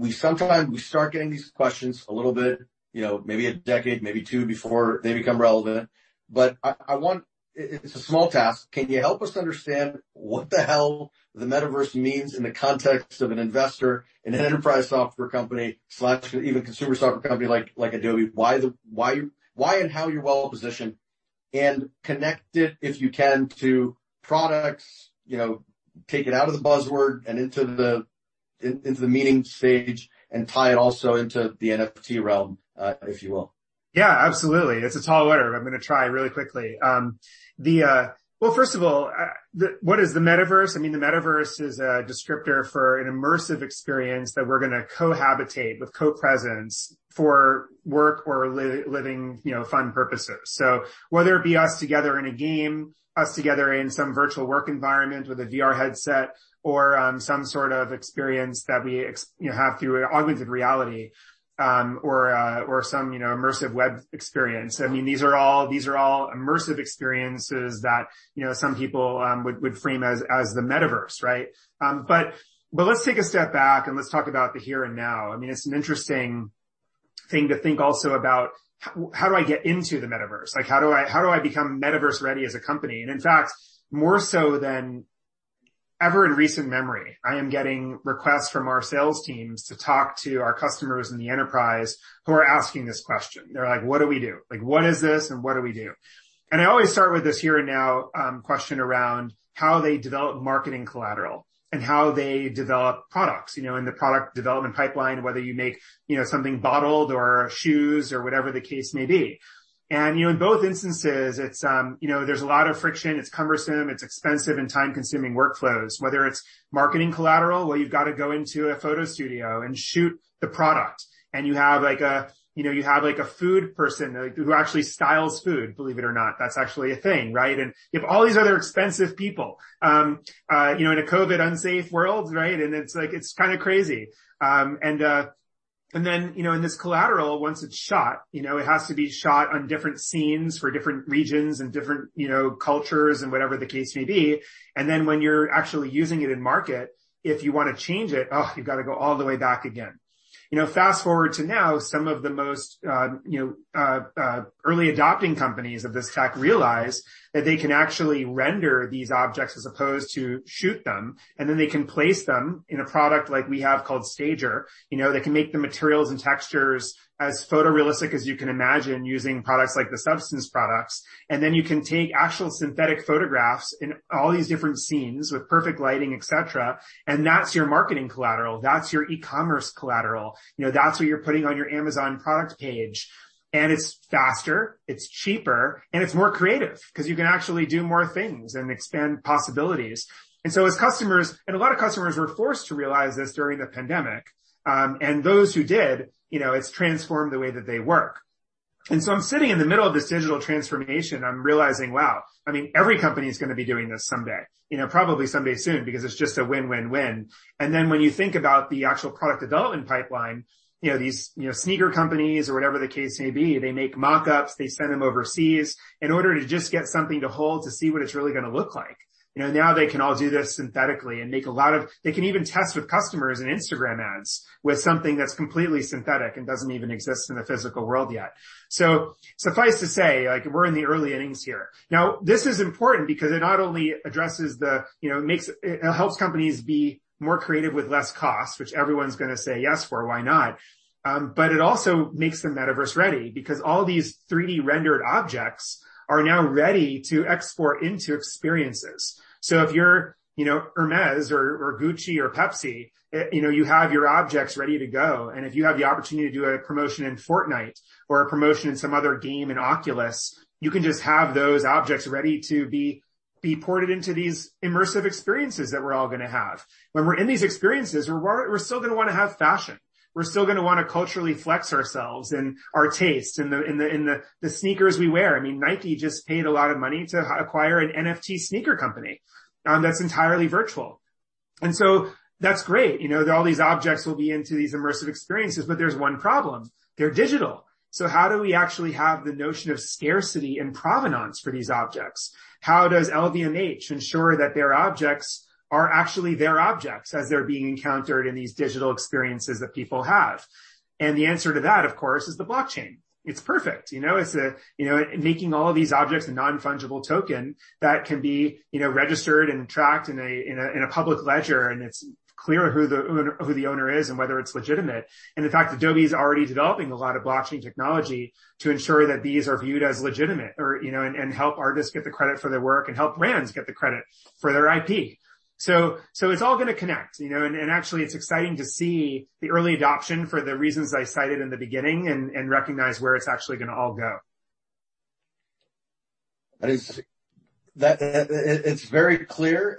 We sometimes start getting these questions a little bit, you know, maybe a decade, maybe two, before they become relevant. I want it's a small task. Can you help us understand what the hell the metaverse means in the context of an investor in an enterprise software company even consumer software company like Adobe? Why and how you're well positioned? Connect it, if you can, to products. You know, take it out of the buzzword and into the meaning stage, and tie it also into the NFT realm, if you will. Yeah, absolutely. It's a tall order. I'm gonna try really quickly. Well, first of all, what is the metaverse? I mean, the metaverse is a descriptor for an immersive experience that we're gonna cohabitate with co-presence for work or living, you know, fun purposes. So whether it be us together in a game, us together in some virtual work environment with a VR headset or some sort of experience that you know have through augmented reality, or some you know immersive web experience. I mean, these are all immersive experiences that you know some people would frame as the metaverse, right? Let's take a step back, and let's talk about the here and now. I mean, it's an interesting thing to think also about how do I get into the metaverse? Like, how do I become metaverse-ready as a company? In fact, more so than ever in recent memory, I am getting requests from our sales teams to talk to our customers in the enterprise who are asking this question. They're like, "What do we do?" Like, "What is this, and what do we do?" I always start with this here and now question around how they develop marketing collateral and how they develop products, you know, in the product development pipeline, whether you make, you know, something bottled or shoes or whatever the case may be. You know, in both instances, it's you know, there's a lot of friction, it's cumbersome, it's expensive and time-consuming workflows. Whether it's marketing collateral, where you've got to go into a photo studio and shoot the product, and you have like a food person, like, who actually styles food, believe it or not. That's actually a thing, right? You have all these other expensive people, you know, in a COVID unsafe world, right? It's like, it's kinda crazy. You know, in this collateral, once it's shot, you know, it has to be shot on different scenes for different regions and different, you know, cultures and whatever the case may be. When you're actually using it in market, if you wanna change it, oh, you've got to go all the way back again. You know, fast-forward to now, some of the most, you know, early adopting companies of this tech realize that they can actually render these objects as opposed to shoot them, and then they can place them in a product like we have called Stager. You know, they can make the materials and textures as photorealistic as you can imagine using products like the Substance products. Then you can take actual synthetic photographs in all these different scenes with perfect lighting, et cetera, and that's your marketing collateral. That's your e-commerce collateral. You know, that's what you're putting on your Amazon product page. It's faster, it's cheaper, and it's more creative 'cause you can actually do more things and expand possibilities. A lot of customers were forced to realize this during the pandemic. Those who did, you know, it's transformed the way that they work. I'm sitting in the middle of this digital transformation. I'm realizing, wow, I mean, every company is gonna be doing this someday. You know, probably someday soon because it's just a win-win-win. When you think about the actual product development pipeline, you know, these, you know, sneaker companies or whatever the case may be, they make mock-ups. They send them overseas in order to just get something to hold to see what it's really gonna look like. You know, now they can all do this synthetically. They can even test with customers and Instagram ads with something that's completely synthetic and doesn't even exist in the physical world yet. Suffice to say, like, we're in the early innings here. Now, this is important because it not only helps companies be more creative with less cost, which everyone's gonna say yes for. Why not? It also makes the metaverse ready because all these 3D rendered objects are now ready to export into experiences. If you're, you know, Hermès or Gucci or Pepsi, you know, you have your objects ready to go. If you have the opportunity to do a promotion in Fortnite or a promotion in some other game in Oculus, you can just have those objects ready to be ported into these immersive experiences that we're all gonna have. When we're in these experiences, we're still gonna wanna have fashion. We're still gonna wanna culturally flex ourselves and our taste in the sneakers we wear. I mean, Nike just paid a lot of money to acquire an NFT sneaker company, that's entirely virtual. That's great. You know, all these objects will be into these immersive experiences, but there's one problem, they're digital. How do we actually have the notion of scarcity and provenance for these objects? How does LVMH ensure that their objects are actually their objects as they're being encountered in these digital experiences that people have? The answer to that, of course, is the blockchain. It's perfect, you know? It's, you know, making all of these objects a non-fungible token that can be, you know, registered and tracked in a public ledger, and it's clear who the owner is and whether it's legitimate. In fact, Adobe's already developing a lot of blockchain technology to ensure that these are viewed as legitimate or, you know, and help artists get the credit for their work and help brands get the credit for their IP. It's all gonna connect, you know, and actually it's exciting to see the early adoption for the reasons I cited in the beginning and recognize where it's actually gonna all go. That it's very clear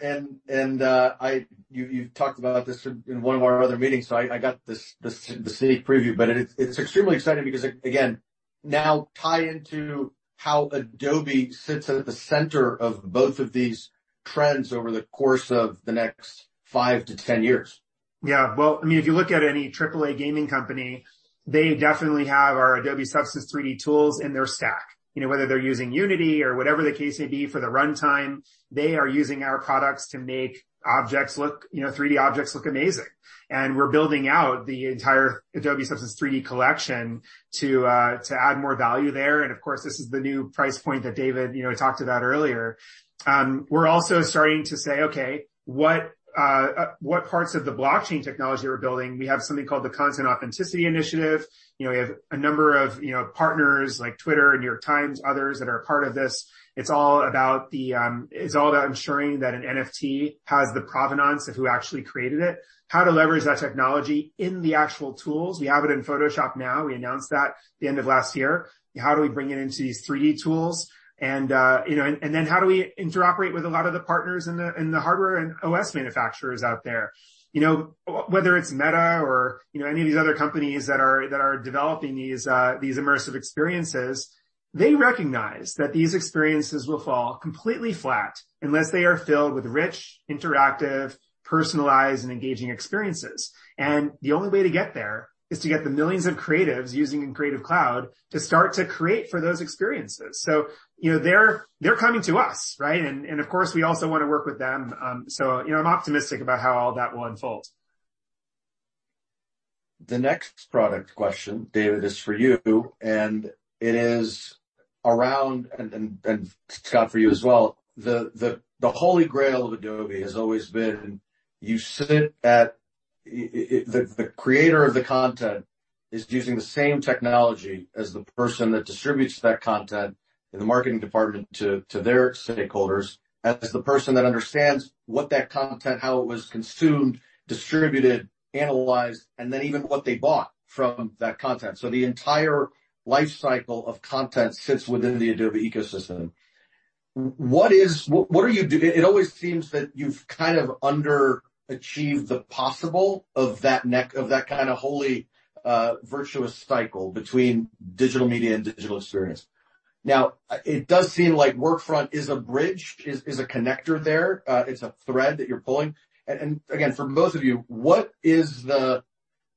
and you've talked about this in one of our other meetings, so I got the sneak preview, but it's extremely exciting because again, now tie into how Adobe sits at the center of both of these trends over the course of the next 5 to 10 years. Yeah. Well, I mean, if you look at any AAA gaming company, they definitely have our Adobe Substance 3D tools in their stack. You know, whether they're using Unity or whatever the case may be for the runtime, they are using our products to make objects look, you know, 3D objects look amazing. We're building out the entire Adobe Substance 3D collection to add more value there. Of course, this is the new price point that David, you know, talked about earlier. We're also starting to say, okay, what parts of the blockchain technology we're building. We have something called the Content Authenticity Initiative. You know, we have a number of, you know, partners like Twitter, New York Times, others that are a part of this. It's all about ensuring that an NFT has the provenance of who actually created it, how to leverage that technology in the actual tools. We have it in Photoshop now. We announced that the end of last year. How do we bring it into these 3D tools? And then how do we interoperate with a lot of the partners in the hardware and OS manufacturers out there? You know, whether it's Meta or any of these other companies that are developing these immersive experiences, they recognize that these experiences will fall completely flat unless they are filled with rich, interactive, personalized, and engaging experiences. The only way to get there is to get the millions of creatives using Creative Cloud to start to create for those experiences. You know, they're coming to us, right? Of course, we also wanna work with them. You know, I'm optimistic about how all that will unfold. The next product question, David, is for you, and it is around Scott for you as well. The holy grail of Adobe has always been you sit at the creator of the content is using the same technology as the person that distributes that content in the marketing department to their stakeholders, as the person that understands what that content, how it was consumed, distributed, analyzed, and then even what they bought from that content. The entire life cycle of content sits within the Adobe ecosystem. It always seems that you've kind of underachieved the possible of that kind of holy virtuous cycle between digital media and digital experience. Now, it does seem like Workfront is a bridge, a connector there. It's a thread that you're pulling. Again, for both of you,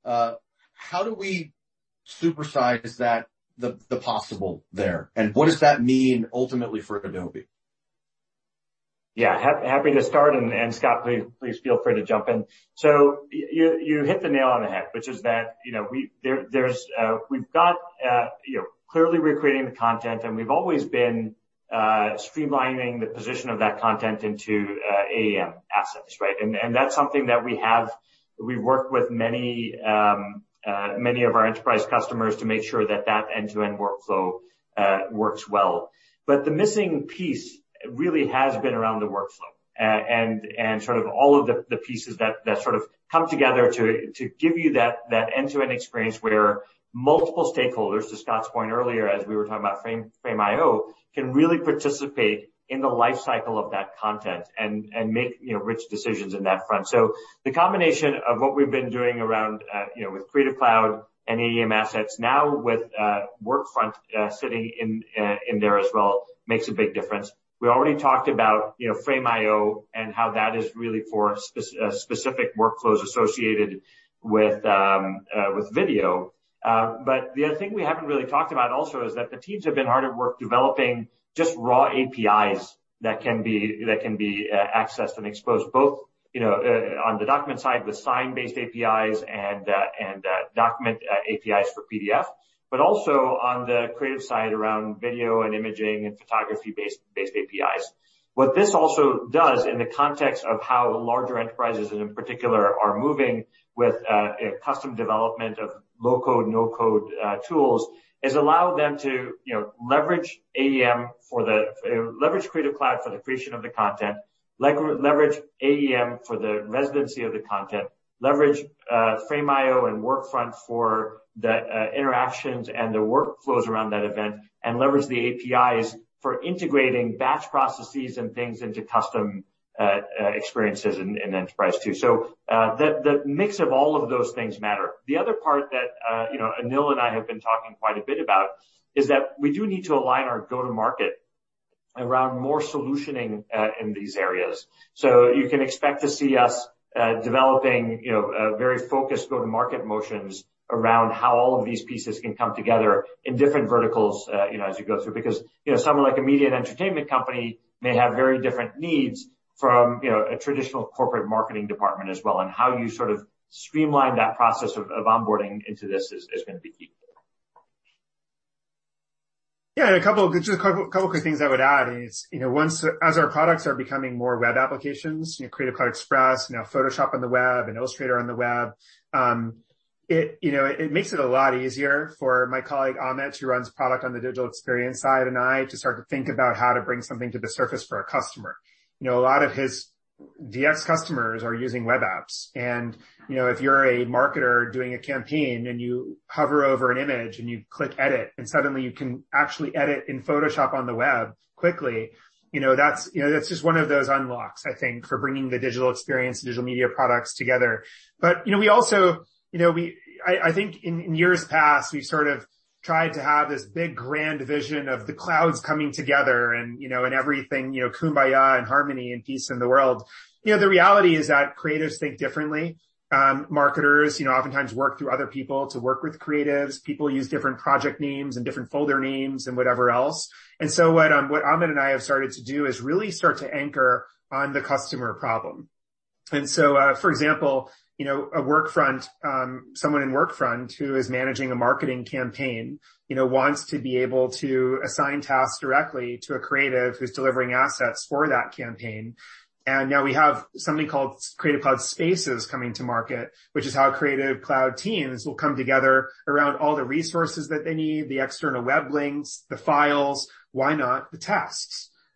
how do we supersize that, the possible there? What does that mean ultimately for Adobe? Yeah. Happy to start, and Scott, please feel free to jump in. You hit the nail on the head, which is that, you know, we've got, you know, clearly we're creating the content, and we've always been streamlining the positioning of that content into AEM Assets, right? That's something that we have. We've worked with many of our enterprise customers to make sure that end-to-end workflow works well. The missing piece really has been around the workflow and sort of all of the pieces that sort of come together to give you that end-to-end experience where multiple stakeholders, to Scott's point earlier, as we were talking about Frame.io, can really participate in the life cycle of that content and make, you know, rich decisions in that front. The combination of what we've been doing around with Creative Cloud and AEM Assets now with Workfront sitting in there as well makes a big difference. We already talked about Frame.io and how that is really for specific workflows associated with video. The other thing we haven't really talked about also is that the teams have been hard at work developing just raw APIs that can be accessed and exposed, both, you know, on the document side with sign-based APIs and document APIs for PDF, but also on the creative side around video and imaging and photography-based APIs. What this also does in the context of how larger enterprises in particular are moving with custom development of low-code, no-code tools is allow them to, you know, leverage Creative Cloud for the creation of the content, leverage AEM for the residency of the content, leverage Frame.io and Workfront for the interactions and the workflows around that event, and leverage the APIs for integrating batch processes and things into custom experiences in enterprise too. The mix of all of those things matter. The other part that, you know, Anil and I have been talking quite a bit about is that we do need to align our go-to-market around more solutioning in these areas. You can expect to see us developing, you know, a very focused go-to-market motions around how all of these pieces can come together in different verticals, you know, as you go through. Because, you know, someone like a media and entertainment company may have very different needs from, you know, a traditional corporate marketing department as well, and how you sort of streamline that process of onboarding into this is gonna be key. Yeah. A couple of quick things I would add is, you know, as our products are becoming more web applications, you know, Creative Cloud Express, now Photoshop on the web and Illustrator on the web, it you know it makes it a lot easier for my colleague, Anil, who runs product on the digital experience side, and I to start to think about how to bring something to the surface for our customer. You know, a lot of his DX customers are using web apps. You know, if you're a marketer doing a campaign, and you hover over an image, and you click Edit, and suddenly you can actually edit in Photoshop on the web quickly, you know, that's just one of those unlocks, I think, for bringing the digital experience, digital media products together. You know, we also. I think in years past, we've sort of tried to have this big grand vision of the clouds coming together and everything, you know, Kumbaya and harmony and peace in the world. You know, the reality is that creatives think differently. Marketers, you know, oftentimes work through other people to work with creatives. People use different project names and different folder names and whatever else. What Anil Chakravarthy and I have started to do is really start to anchor on the customer problem. For example, you know, in Workfront, someone in Workfront who is managing a marketing campaign, you know, wants to be able to assign tasks directly to a creative who's delivering assets for that campaign. Now we have something called Creative Cloud Spaces coming to market, which is how Creative Cloud teams will come together around all the resources that they need, the external web links, the files, why not the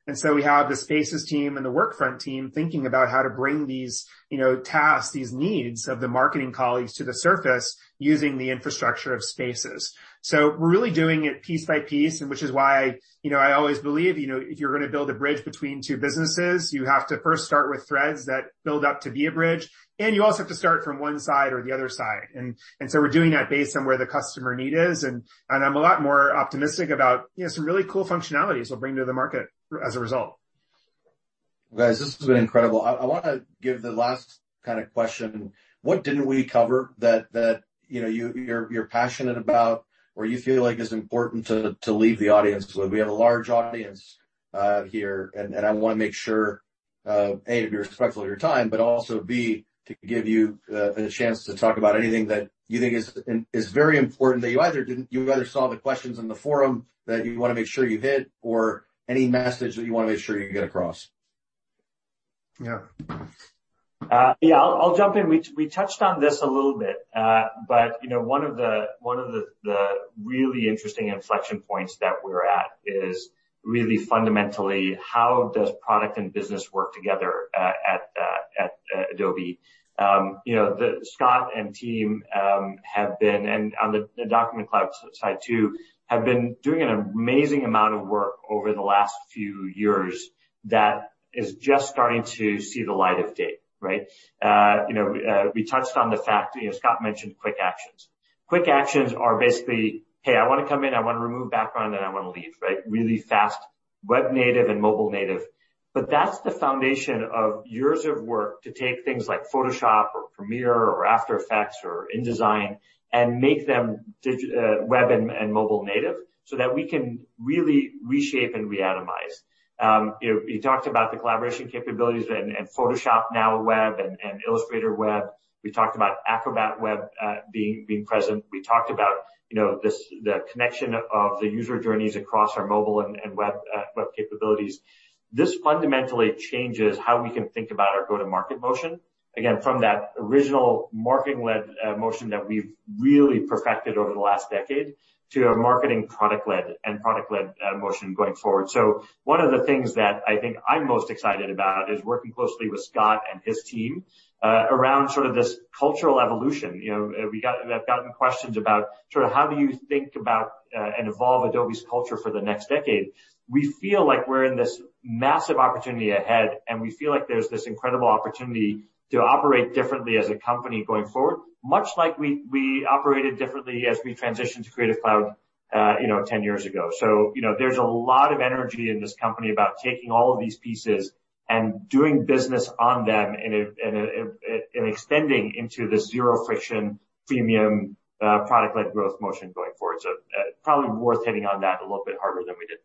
tasks? We have the Spaces team and the Workfront team thinking about how to bring these, you know, tasks, these needs of the marketing colleagues to the surface using the infrastructure of Spaces. We're really doing it piece by piece, and which is why, you know, I always believe, you know, if you're gonna build a bridge between two businesses, you have to first start with threads that build up to be a bridge. You also have to start from one side or the other side. We're doing that based on where the customer need is, and I'm a lot more optimistic about, you know, some really cool functionalities we'll bring to the market as a result. Guys, this has been incredible. I wanna give the last kinda question. What didn't we cover that you know you're passionate about or you feel like is important to leave the audience with? We have a large audience here, and I wanna make sure, A, to be respectful of your time, but also, B, to give you a chance to talk about anything that you think is very important that you either saw the questions in the forum that you wanna make sure you hit or any message that you wanna make sure you get across. Yeah. Yeah, I'll jump in. We touched on this a little bit. You know, one of the really interesting inflection points that we're at is really fundamentally how does product and business work together at Adobe? You know, Scott and team have been, and on the Document Cloud side too, doing an amazing amount of work over the last few years that is just starting to see the light of day, right? You know, we touched on the fact, you know, Scott mentioned Quick Actions. Quick Actions are basically, "Hey, I wanna come in, I wanna remove background, then I wanna leave," right? Really fast web native and mobile native. That's the foundation of years of work to take things like Photoshop or Premiere or After Effects or InDesign and make them web and mobile native so that we can really reshape and re-atomize. You know, we talked about the collaboration capabilities and Photoshop on the web and Illustrator on the web. We talked about Acrobat on the web being present. We talked about, you know, this, the connection of the user journeys across our mobile and web capabilities. This fundamentally changes how we can think about our go-to-market motion, again, from that original marketing-led motion that we've really perfected over the last decade to a marketing- and product-led motion going forward. One of the things that I think I'm most excited about is working closely with Scott and his team around sort of this cultural evolution. You know, I've gotten questions about sort of how do you think about, and evolve Adobe's culture for the next decade? We feel like we're in this massive opportunity ahead, and we feel like there's this incredible opportunity to operate differently as a company going forward, much like we operated differently as we transitioned to Creative Cloud, you know, 10 years ago. You know, there's a lot of energy in this company about taking all of these pieces and doing business on them in extending into this zero-friction premium Product-Led Growth motion going forward. Probably worth hitting on that a little bit harder than we did.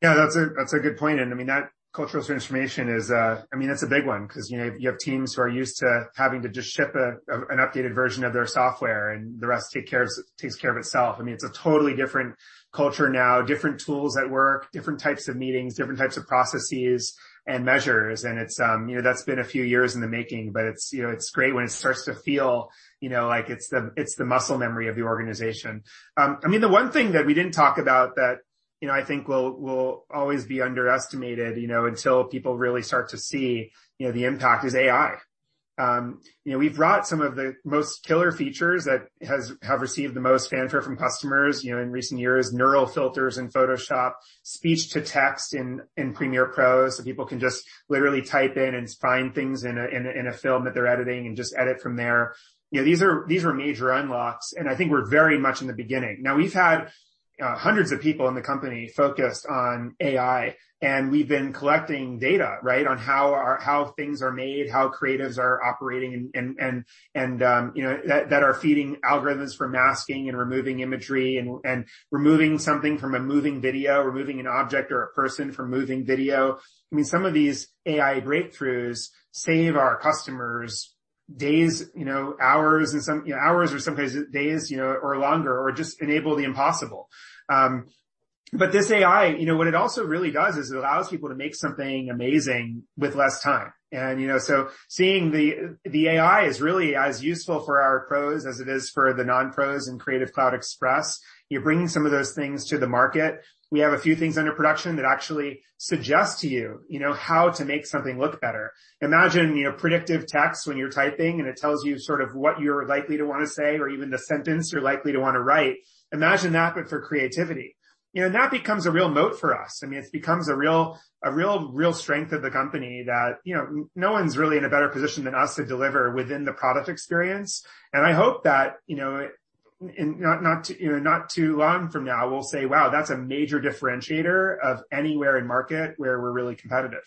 Yeah, that's a good point. I mean, that cultural transformation is, I mean, it's a big one 'cause, you know, you have teams who are used to having to just ship an updated version of their software, and the rest takes care of itself. I mean, it's a totally different culture now, different tools at work, different types of meetings, different types of processes and measures, and it's, you know, that's been a few years in the making. It's, you know, it's great when it starts to feel, you know, like it's the muscle memory of the organization. I mean, the one thing that we didn't talk about that, you know, I think will always be underestimated, you know, until people really start to see, you know, the impact is AI. You know, we've brought some of the most killer features that have received the most fanfare from customers, you know, in recent years, Neural Filters in Photoshop, speech-to-text in Premiere Pro, so people can just literally type in and find things in a film that they're editing and just edit from there. You know, these are major unlocks, and I think we're very much in the beginning. Now, we've had hundreds of people in the company focused on AI, and we've been collecting data, right? How things are made, how creatives are operating and, you know, that are feeding algorithms for masking and removing imagery and removing something from a moving video, removing an object or a person from moving video. I mean, some of these AI breakthroughs save our customers days, you know, hours or sometimes days, you know, or longer or just enable the impossible. But this AI, you know what it also really does is it allows people to make something amazing with less time. You know, seeing the AI is really as useful for our pros as it is for the non-pros in Creative Cloud Express. You're bringing some of those things to the market. We have a few things under production that actually suggest to you know, how to make something look better. Imagine, you know, predictive text when you're typing, and it tells you sort of what you're likely to wanna say or even the sentence you're likely to wanna write. Imagine that, but for creativity. You know, that becomes a real moat for us. I mean, it becomes a real strength of the company that, you know, no one's really in a better position than us to deliver within the product experience. I hope that, you know, in not too long from now, we'll say, "Wow, that's a major differentiator of anywhere in market where we're really competitive.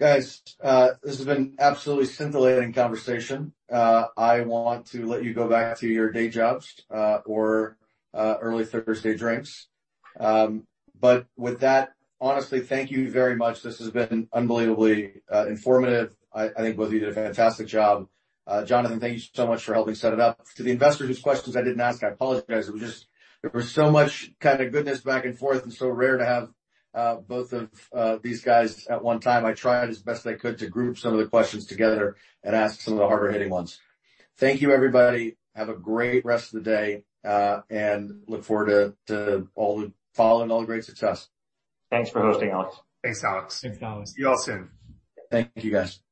Guys, this has been an absolutely scintillating conversation. I want to let you go back to your day jobs, or early Thursday drinks. With that, honestly, thank you very much. This has been unbelievably informative. I think both of you did a fantastic job. Jonathan, thank you so much for helping set it up. To the investors whose questions I didn't ask, I apologize. It was just so much kind of goodness back and forth, and so rare to have both of these guys at one time. I tried as best I could to group some of the questions together and ask some of the harder-hitting ones. Thank you, everybody. Have a great rest of the day, and look forward to all the follow and all the great success. Thanks for hosting, Alex. Thanks, Alex. See you all soon. Thank you, guys.